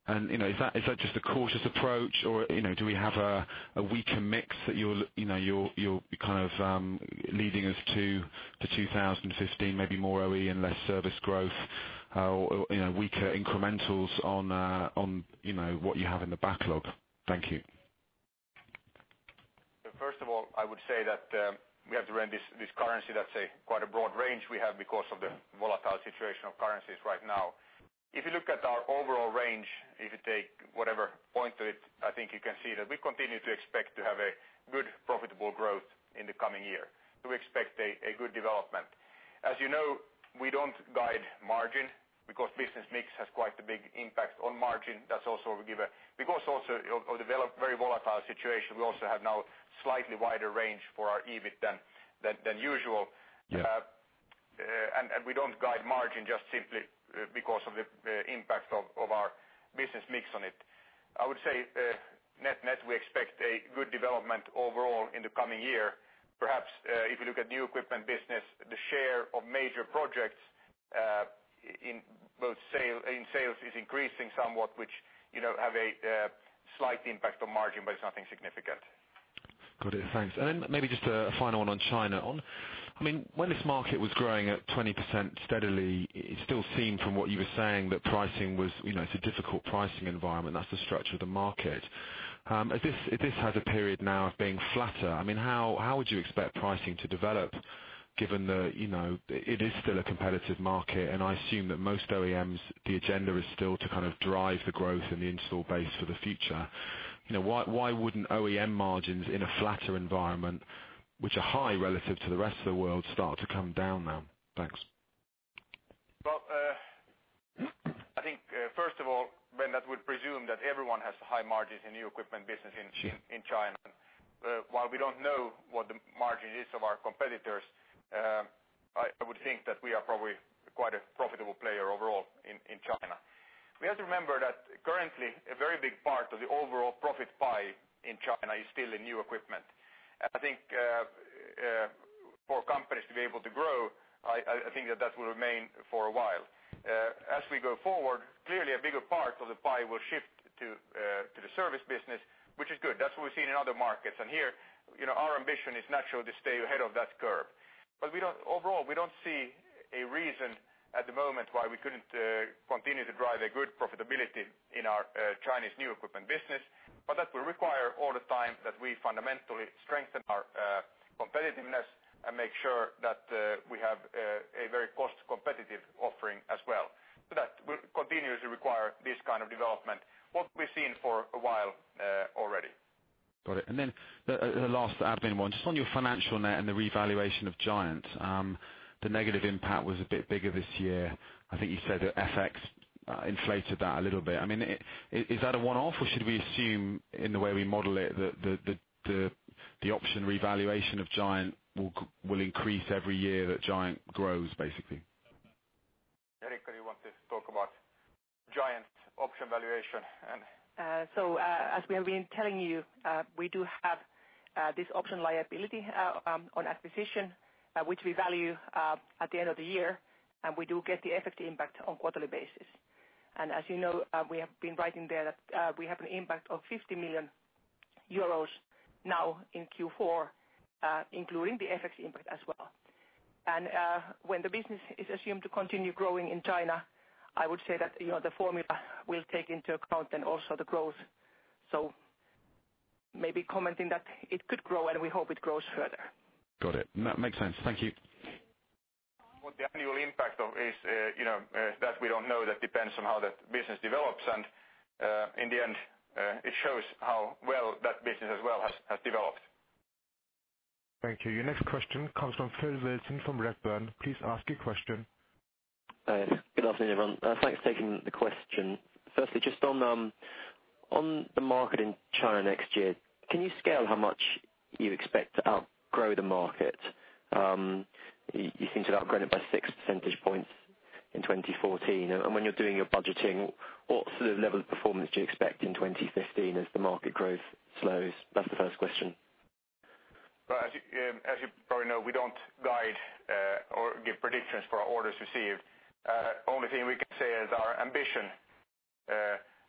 Is that just a cautious approach or do we have a weaker mix that you're kind of leading us to the 2015, maybe more OE and less service growth, weaker incrementals on what you have in the backlog? Thank you. First of all, I would say that we have to run this currency that's quite a broad range we have because of the volatile situation of currencies right now. If you look at our overall range, if you take whatever point to it, I think you can see that we continue to expect to have a good profitable growth in the coming year. We expect a good development. As you know, we don't guide margin because business mix has quite a big impact on margin. That's also because of the very volatile situation. We also have now slightly wider range for our EBIT than usual. Yeah. We don't guide margin just simply because of the impact of our business mix on it. I would say net-net, we expect a good development overall in the coming year. Perhaps, if you look at new equipment business, the share of major projects in sales is increasing somewhat, which have a slight impact on margin, but it's nothing significant. Got it. Thanks. Maybe just a final one on China. When this market was growing at 20% steadily, it still seemed from what you were saying, that it's a difficult pricing environment, that's the structure of the market. If this has a period now of being flatter, how would you expect pricing to develop given that it is still a competitive market, and I assume that most OEMs, the agenda is still to kind of drive the growth in the install base for the future. Why wouldn't OEM margins in a flatter environment, which are high relative to the rest of the world, start to come down now? Thanks. Well, I think, first of all, Ben, that would presume that everyone has high margins in new equipment business in China. While we don't know what the margin is of our competitors, I would think that we are probably quite a profitable player overall in China. We have to remember that currently, a very big part of the overall profit pie in China is still in new equipment. I think for companies to be able to grow, I think that that will remain for a while. As we go forward, clearly a bigger part of the pie will shift to the service business, which is good. That's what we've seen in other markets. Here our ambition is naturally to stay ahead of that curve. Overall, we don't see a reason at the moment why we couldn't continue to drive a good profitability in our Chinese new equipment business. That will require all the time that we fundamentally strengthen our competitiveness and make sure that we have a very cost-competitive offering as well. That will continuously require this kind of development, what we've seen for a while already. Got it. Then the last admin one. Just on your financial net and the revaluation of GiantKONE. The negative impact was a bit bigger this year. I think you said that FX inflated that a little bit. Is that a one-off or should we assume in the way we model it the option revaluation of GiantKONE will increase every year that GiantKONE grows, basically? Eriikka, you want to talk about GiantKONE option valuation? As we have been telling you, we do have this option liability on acquisition, which we value at the end of the year, and we do get the FX impact on quarterly basis. As you know, we have been writing there that we have an impact of 50 million euros now in Q4, including the FX impact as well. When the business is assumed to continue growing in China, I would say that the formula will take into account then also the growth. Maybe commenting that it could grow and we hope it grows further. Got it. No, makes sense. Thank you. What the annual impact of is, that we don't know. That depends on how that business develops. In the end, it shows how well that business as well has developed. Thank you. Your next question comes from Phil Wilson from Redburn. Please ask your question. Good afternoon, everyone. Thanks for taking the question. Firstly, just on the market in China next year, can you scale how much you expect to outgrow the market? You seem to have outgrown it by 6 percentage points in 2014. When you're doing your budgeting, what sort of level of performance do you expect in 2015 as the market growth slows? That's the first question. Right. As you probably know, we don't guide or give predictions for our orders received. Only thing we can say is our ambition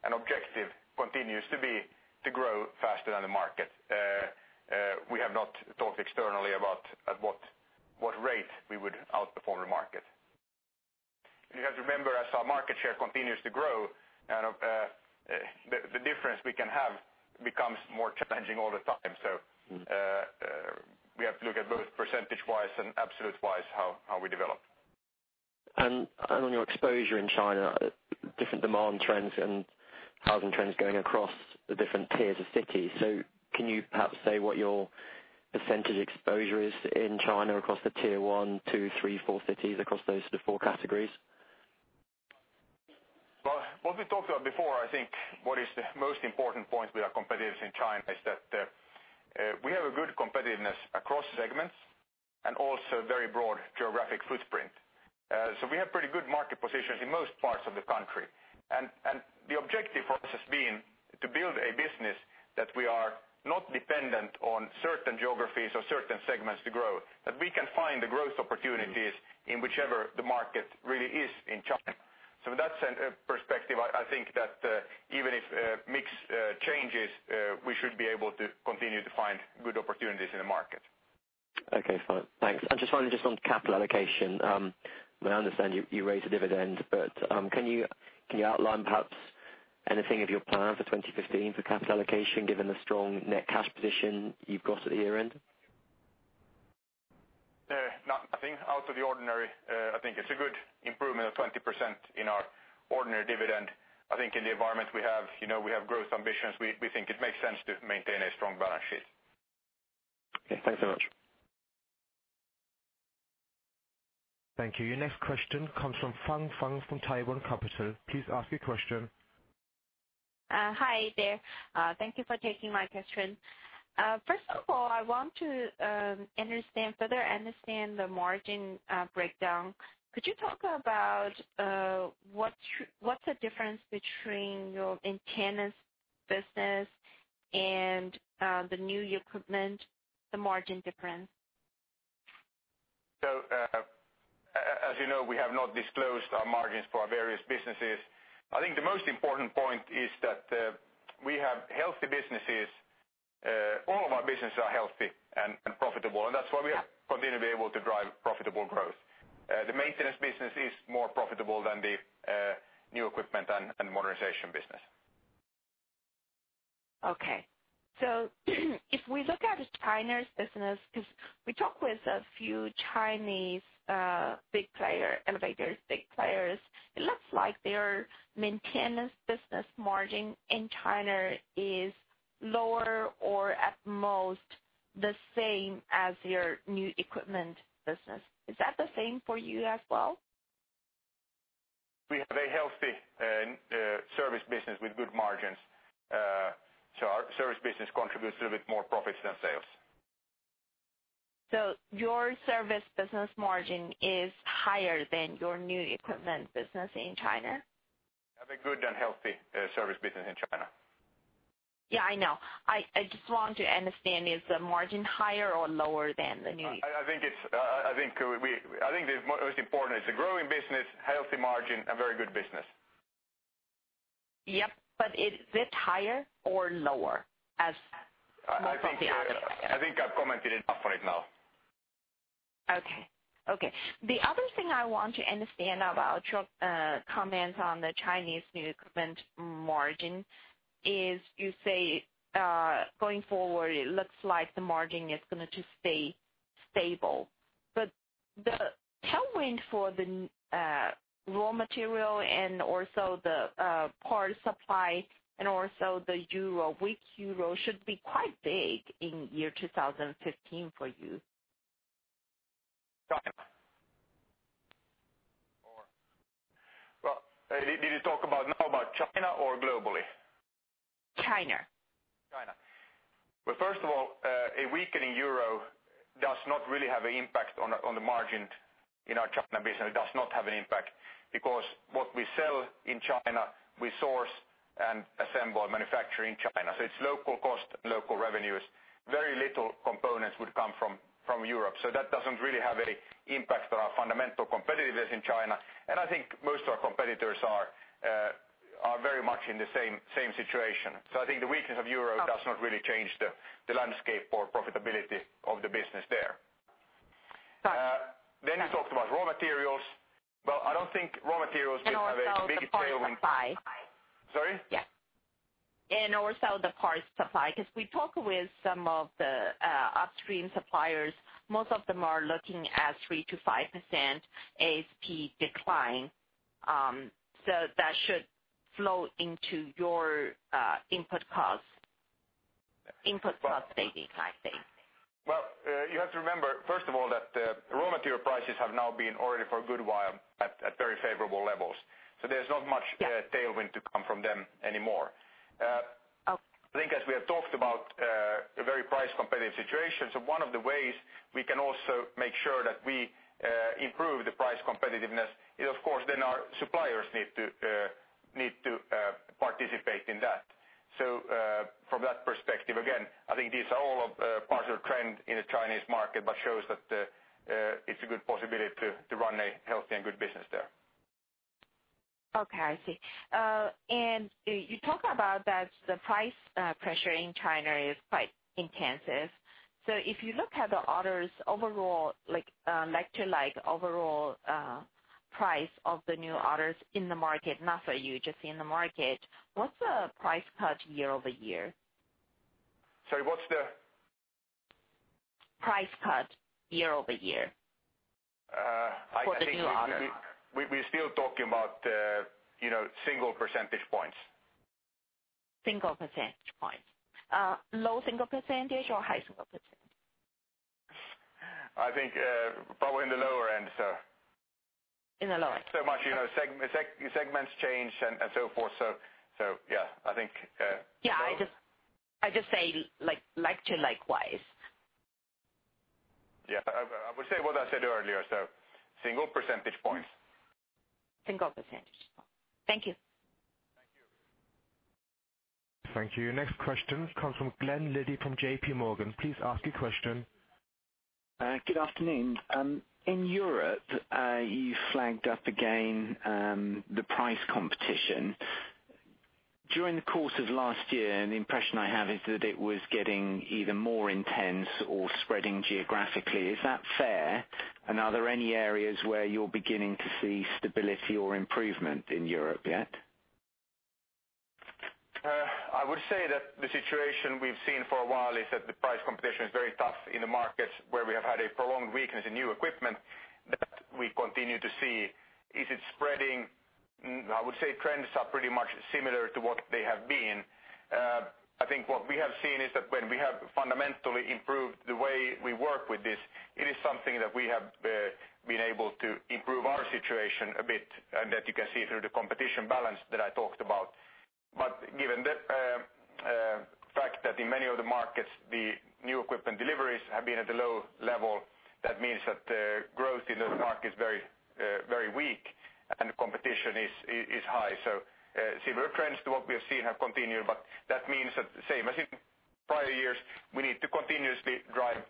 and objective continues to be to grow faster than the market. We have not talked externally about at what rate we would outperform the market. You have to remember, as our market share continues to grow, the difference we can have becomes more challenging all the time. We have to look at both percentage-wise and absolute-wise how we develop. On your exposure in China, different demand trends and housing trends going across the different tiers of cities. Can you perhaps say what your percentage exposure is in China across the tier 1, 2, 3, 4 cities, across those sort of 4 categories? Well, what we talked about before, I think what is the most important point with our competitors in China is that we have a good competitiveness across segments and also a very broad geographic footprint. We have pretty good market positions in most parts of the country. The objective for us has been to build a business that we are not dependent on certain geographies or certain segments to grow. in whichever the market really is in China. That's a perspective. I think that even if mix changes, we should be able to continue to find good opportunities in the market. Okay, fine. Thanks. Just finally, just on capital allocation. I understand you raised the dividend, but can you outline perhaps anything of your plan for 2015 for capital allocation, given the strong net cash position you've got at the year-end? Nothing out of the ordinary. I think it's a good improvement of 20% in our ordinary dividend. I think in the environment we have growth ambitions. We think it makes sense to maintain a strong balance sheet. Okay, thanks so much. Thank you. Your next question comes from Fang Fang from Daiwa Capital. Please ask your question. Hi there. Thank you for taking my question. First of all, I want to further understand the margin breakdown. Could you talk about what's the difference between your maintenance business and the new equipment, the margin difference? As you know, we have not disclosed our margins for our various businesses. I think the most important point is that we have healthy businesses. All of our businesses are healthy and profitable, and that's why we have continued to be able to drive profitable growth. The maintenance business is more profitable than the new equipment and modernization business. Okay. If we look at China's business, because we talk with a few Chinese big player, elevators big players, it looks like their maintenance business margin in China is lower or at most the same as your new equipment business. Is that the same for you as well? We have a healthy service business with good margins. Our service business contributes a little bit more profits than sales. Your service business margin is higher than your new equipment business in China? We have a good and healthy service business in China. Yeah, I know. I just want to understand, is the margin higher or lower than the new equipment? I think the most important, it's a growing business, healthy margin, a very good business. Yep. Is it higher or lower as most of the other players? I think I've commented enough on it now. Okay. The other thing I want to understand about your comments on the Chinese new equipment margin is you say, going forward, it looks like the margin is going to just stay stable. The tailwind for the raw material and also the parts supply and also the weak Euro should be quite big in 2015 for you. China. Did you talk about now about China or globally? China. China. Well, first of all, a weakening euro does not really have an impact on the margin in our China business. It does not have an impact because what we sell in China, we source and assemble and manufacture in China. It's local cost, local revenues. Very little components would come from Europe. That doesn't really have any impact on our fundamental competitiveness in China. I think most of our competitors are very much in the same situation. I think the weakness of euro does not really change the landscape or profitability of the business there. Gotcha. You talked about raw materials. Well, I don't think raw materials will have a big tailwind. Also the parts supply. Sorry? Yes. The parts supply, because we talk with some of the upstream suppliers. Most of them are looking at 3%-5% ASP decline. That should flow into your input costs, ASP decline, I think. Well, you have to remember, first of all, that raw material prices have now been already for a good while at very favorable levels. There's not much. Yeah Tailwind to come from them anymore. Yes, we have talked about a very price competitive situation. One of the ways we can also make sure that we improve the price competitiveness is, of course, our suppliers need to participate in that. From that perspective, again, I think these are all parts of trend in the Chinese market, but shows that it's a good possibility to run a healthy and good business there. Okay, I see. You talk about that the price pressure in China is quite intensive. If you look at the orders overall, like overall price of the new orders in the market, not for you, just in the market, what's the price cut year-over-year? Sorry, what's the? Price cut year-over-year. I think- For the new orders. We're still talking about single percentage points. Single percentage points. Low single percentage or high single percentage? I think probably in the lower end. In the lower end. Much segments change and so forth, so yeah. I just say like to likewise. I would say what I said earlier, so single percentage points. Single percentage. Thank you. Thank you. Thank you. Next question comes from Glen Liddy from JPMorgan. Please ask your question. Good afternoon. In Europe, you flagged up again the price competition. During the course of last year, the impression I have is that it was getting either more intense or spreading geographically. Is that fair? Are there any areas where you're beginning to see stability or improvement in Europe yet? I would say that the situation we've seen for a while is that the price competition is very tough in the markets where we have had a prolonged weakness in new equipment that we continue to see. Is it spreading? I would say trends are pretty much similar to what they have been. I think what we have seen is that when we have fundamentally improved the way we work with this, it is something that we have been able to improve our situation a bit, and that you can see through the competition balance that I talked about. Given the fact that in many of the markets, the new equipment deliveries have been at a low level, that means that growth in those markets very weak and the competition is high. Similar trends to what we have seen have continued, that means that same as in prior years, we need to continuously drive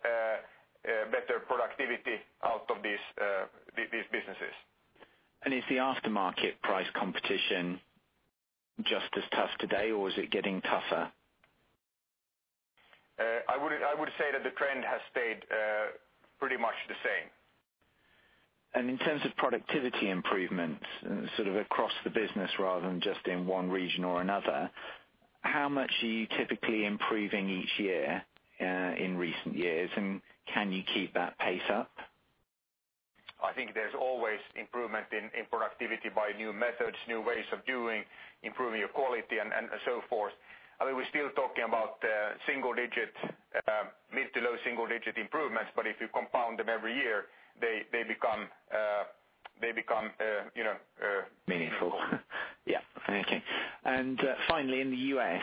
better productivity out of these businesses. Is the aftermarket price competition just as tough today or is it getting tougher? I would say that the trend has stayed pretty much the same. In terms of productivity improvements, sort of across the business rather than just in one region or another, how much are you typically improving each year in recent years, and can you keep that pace up? I think there's always improvement in productivity by new methods, new ways of doing, improving your quality and so forth. I mean, we're still talking about mid to low single-digit improvements, but if you compound them every year, they become- Meaningful. Yeah. Okay. Finally, in the U.S.,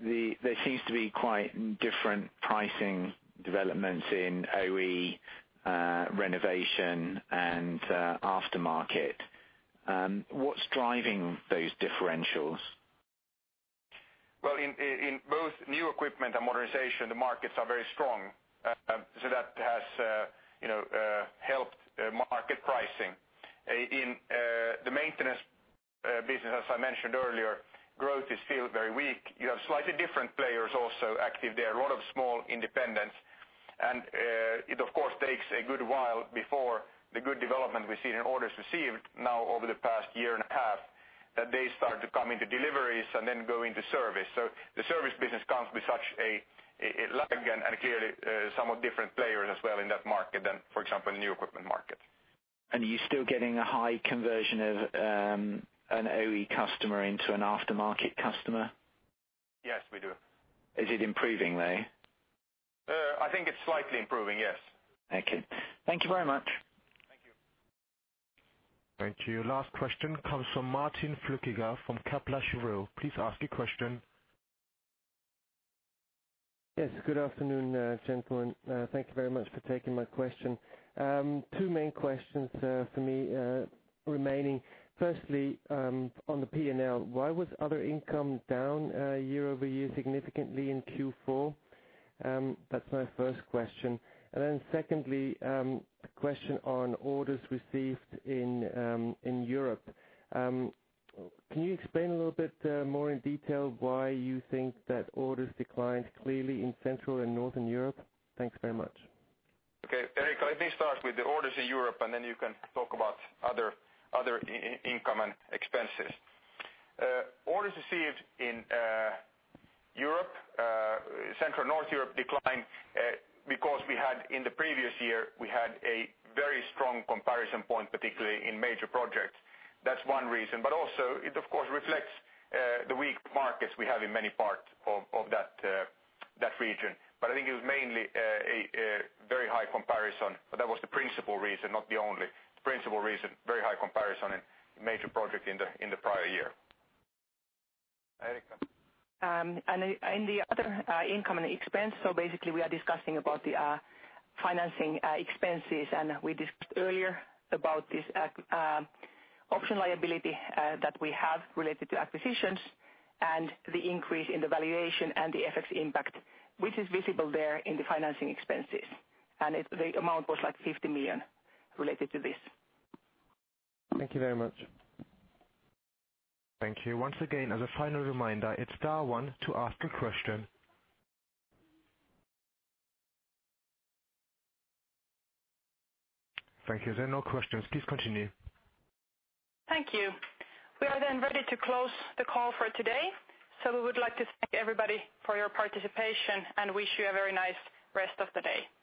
there seems to be quite different pricing developments in OE renovation and aftermarket. What's driving those differentials? Well, in both new equipment and modernization, the markets are very strong. That has helped market pricing. In the maintenance business, as I mentioned earlier, growth is still very weak. You have slightly different players also active there, a lot of small independents. It, of course, takes a good while before the good development we've seen in orders received now over the past year and a half, that they start to come into deliveries and then go into service. The service business comes with such a lag and clearly somewhat different players as well in that market than, for example, new equipment market. Are you still getting a high conversion of an OE customer into an aftermarket customer? Yes, we do. Is it improving, though? I think it's slightly improving, yes. Thank you. Thank you very much. Thank you. Thank you. Last question comes from Martin Flueckiger from Kepler Cheuvreux. Please ask your question. Yes, good afternoon, gentlemen. Thank you very much for taking my question. Two main questions for me remaining. Firstly, on the P&L, why was other income down year-over-year significantly in Q4? That's my first question. Secondly, a question on orders received in Europe. Can you explain a little bit more in detail why you think that orders declined clearly in Central and Northern Europe? Thanks very much. Okay. Eriikka, I think start with the orders in Europe. You can talk about other income and expenses. Orders received in Central North Europe declined because in the previous year, we had a very strong comparison point, particularly in major projects. That's one reason. Also, it, of course, reflects the weak markets we have in many parts of that region. I think it was mainly a very high comparison. That was the principal reason, not the only. The principal reason, very high comparison in major project in the prior year. Eriikka? In the other income and expense, basically we are discussing about the financing expenses, and we discussed earlier about this option liability that we have related to acquisitions and the FX impact, which is visible there in the financing expenses. The amount was like 50 million related to this. Thank you very much. Thank you. Once again, as a final reminder, it's star one to ask a question. Thank you. There are no questions. Please continue. Thank you. We are ready to close the call for today. We would like to thank everybody for your participation and wish you a very nice rest of the day.